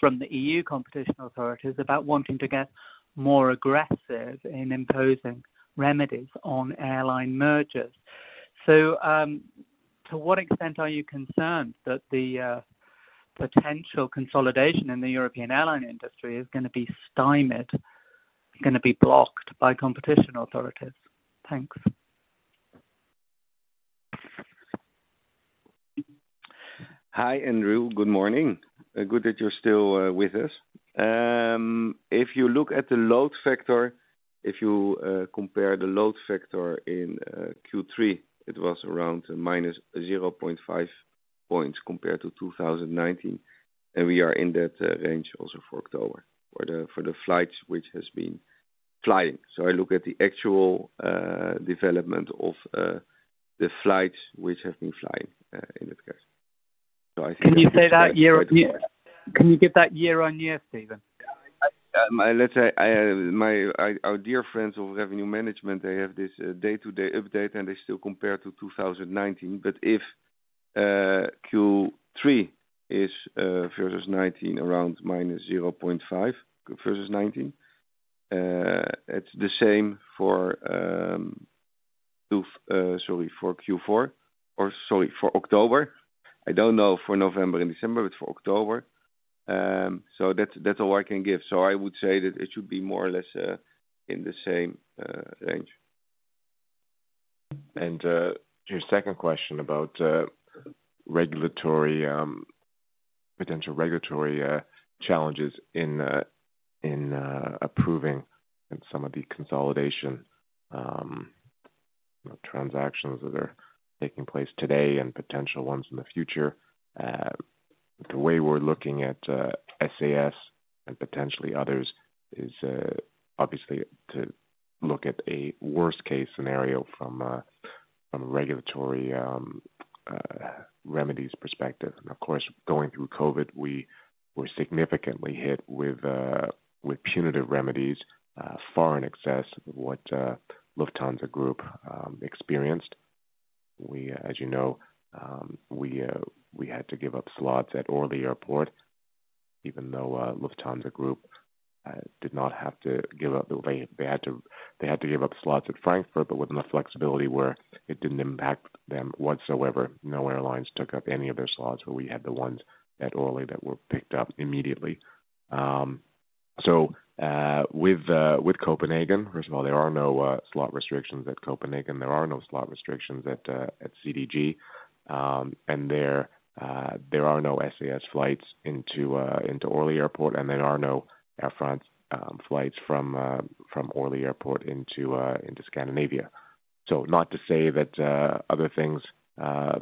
from the EU competition authorities about wanting to get more aggressive in imposing remedies on airline mergers. To what extent are you concerned that the potential consolidation in the European airline industry is gonna be stymied, gonna be blocked by competition authorities? Thanks. Hi, Andrew. Good morning. Good that you're still with us. If you look at the load factor, if you compare the load factor in Q3, it was around -0.5 points compared to 2019, and we are in that range also for October, for the flights which has been flying. So I think- Can you say that year-over-year? Can you give that year-over-year, Steven? Yeah, let's say, our dear friends of revenue management, they have this day-to-day update, and they still compare to 2019. But if Q3 is versus 2019, around -0.5 versus 2019, it's the same for Q4, sorry, for October. I don't know for November and December, but for October. So that's all I can give. So I would say that it should be more or less in the same range. Your second question about regulatory potential regulatory challenges in approving some of the consolidation transactions that are taking place today and potential ones in the future. The way we're looking at SAS and potentially others is obviously to look at a worst case scenario from a regulatory remedies perspective. And of course, going through COVID, we were significantly hit with punitive remedies far in excess of what Lufthansa Group experienced. We as you know, we had to give up slots at Orly Airport, even though Lufthansa Group did not have to give up. They had to give up slots at Frankfurt, but with enough flexibility where it didn't impact them whatsoever. No airlines took up any of their slots, but we had the ones at Orly that were picked up immediately. So, with Copenhagen, first of all, there are no slot restrictions at Copenhagen. There are no slot restrictions at CDG. And there are no SAS flights into Orly Airport, and there are no Air France flights from Orly Airport into Scandinavia. So not to say that other things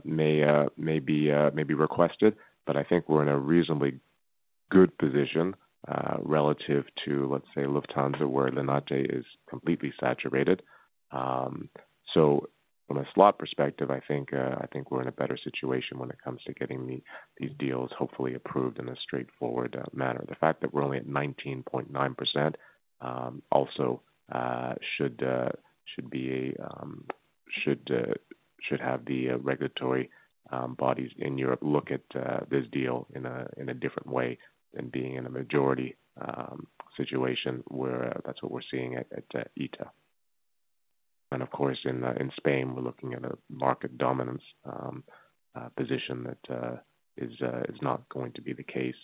may be requested, but I think we're in a reasonably good position relative to, let's say, Lufthansa, where Linate is completely saturated. So from a slot perspective, I think we're in a better situation when it comes to getting these deals hopefully approved in a straightforward manner. The fact that we're only at 19.9%, also should have the regulatory bodies in Europe look at this deal in a different way than being in a majority situation, where that's what we're seeing at ITA. And of course, in Spain, we're looking at a market dominance position that is not going to be the case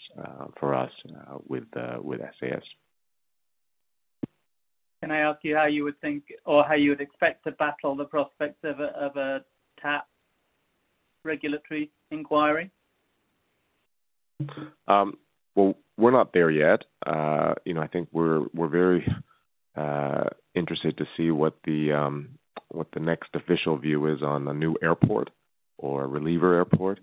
for us with SAS. Can I ask you how you would think or how you would expect to battle the prospects of a TAP regulatory inquiry? Well, we're not there yet. You know, I think we're very interested to see what the next official view is on the new airport or reliever airport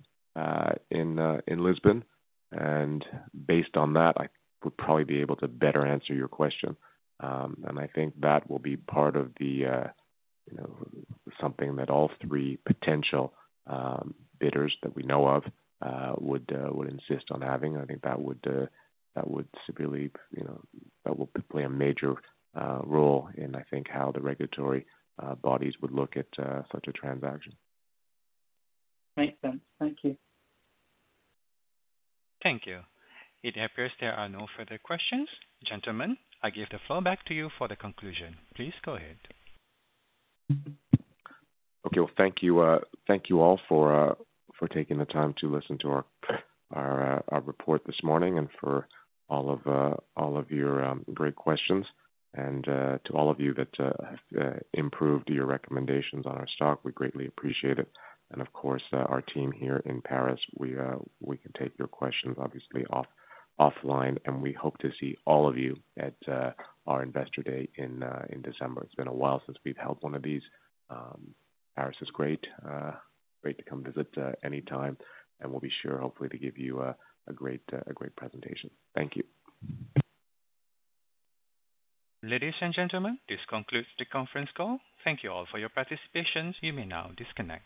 in Lisbon. Based on that, I would probably be able to better answer your question. I think that will be part of the, you know, something that all three potential bidders that we know of would insist on having. I think that would simply, you know, that will play a major role in, I think, how the regulatory bodies would look at such a transaction. Makes sense. Thank you. Thank you. It appears there are no further questions. Gentlemen, I give the floor back to you for the conclusion. Please go ahead. Okay. Well, thank you, thank you all for taking the time to listen to our report this morning and for all of your great questions. And to all of you that improved your recommendations on our stock, we greatly appreciate it. And of course, our team here in Paris, we can take your questions obviously offline, and we hope to see all of you at our Investor Day in December. It's been a while since we've held one of these. Paris is great. Great to come visit anytime, and we'll be sure, hopefully, to give you a great presentation. Thank you. Ladies and gentlemen, this concludes the conference call. Thank you all for your participation. You may now disconnect.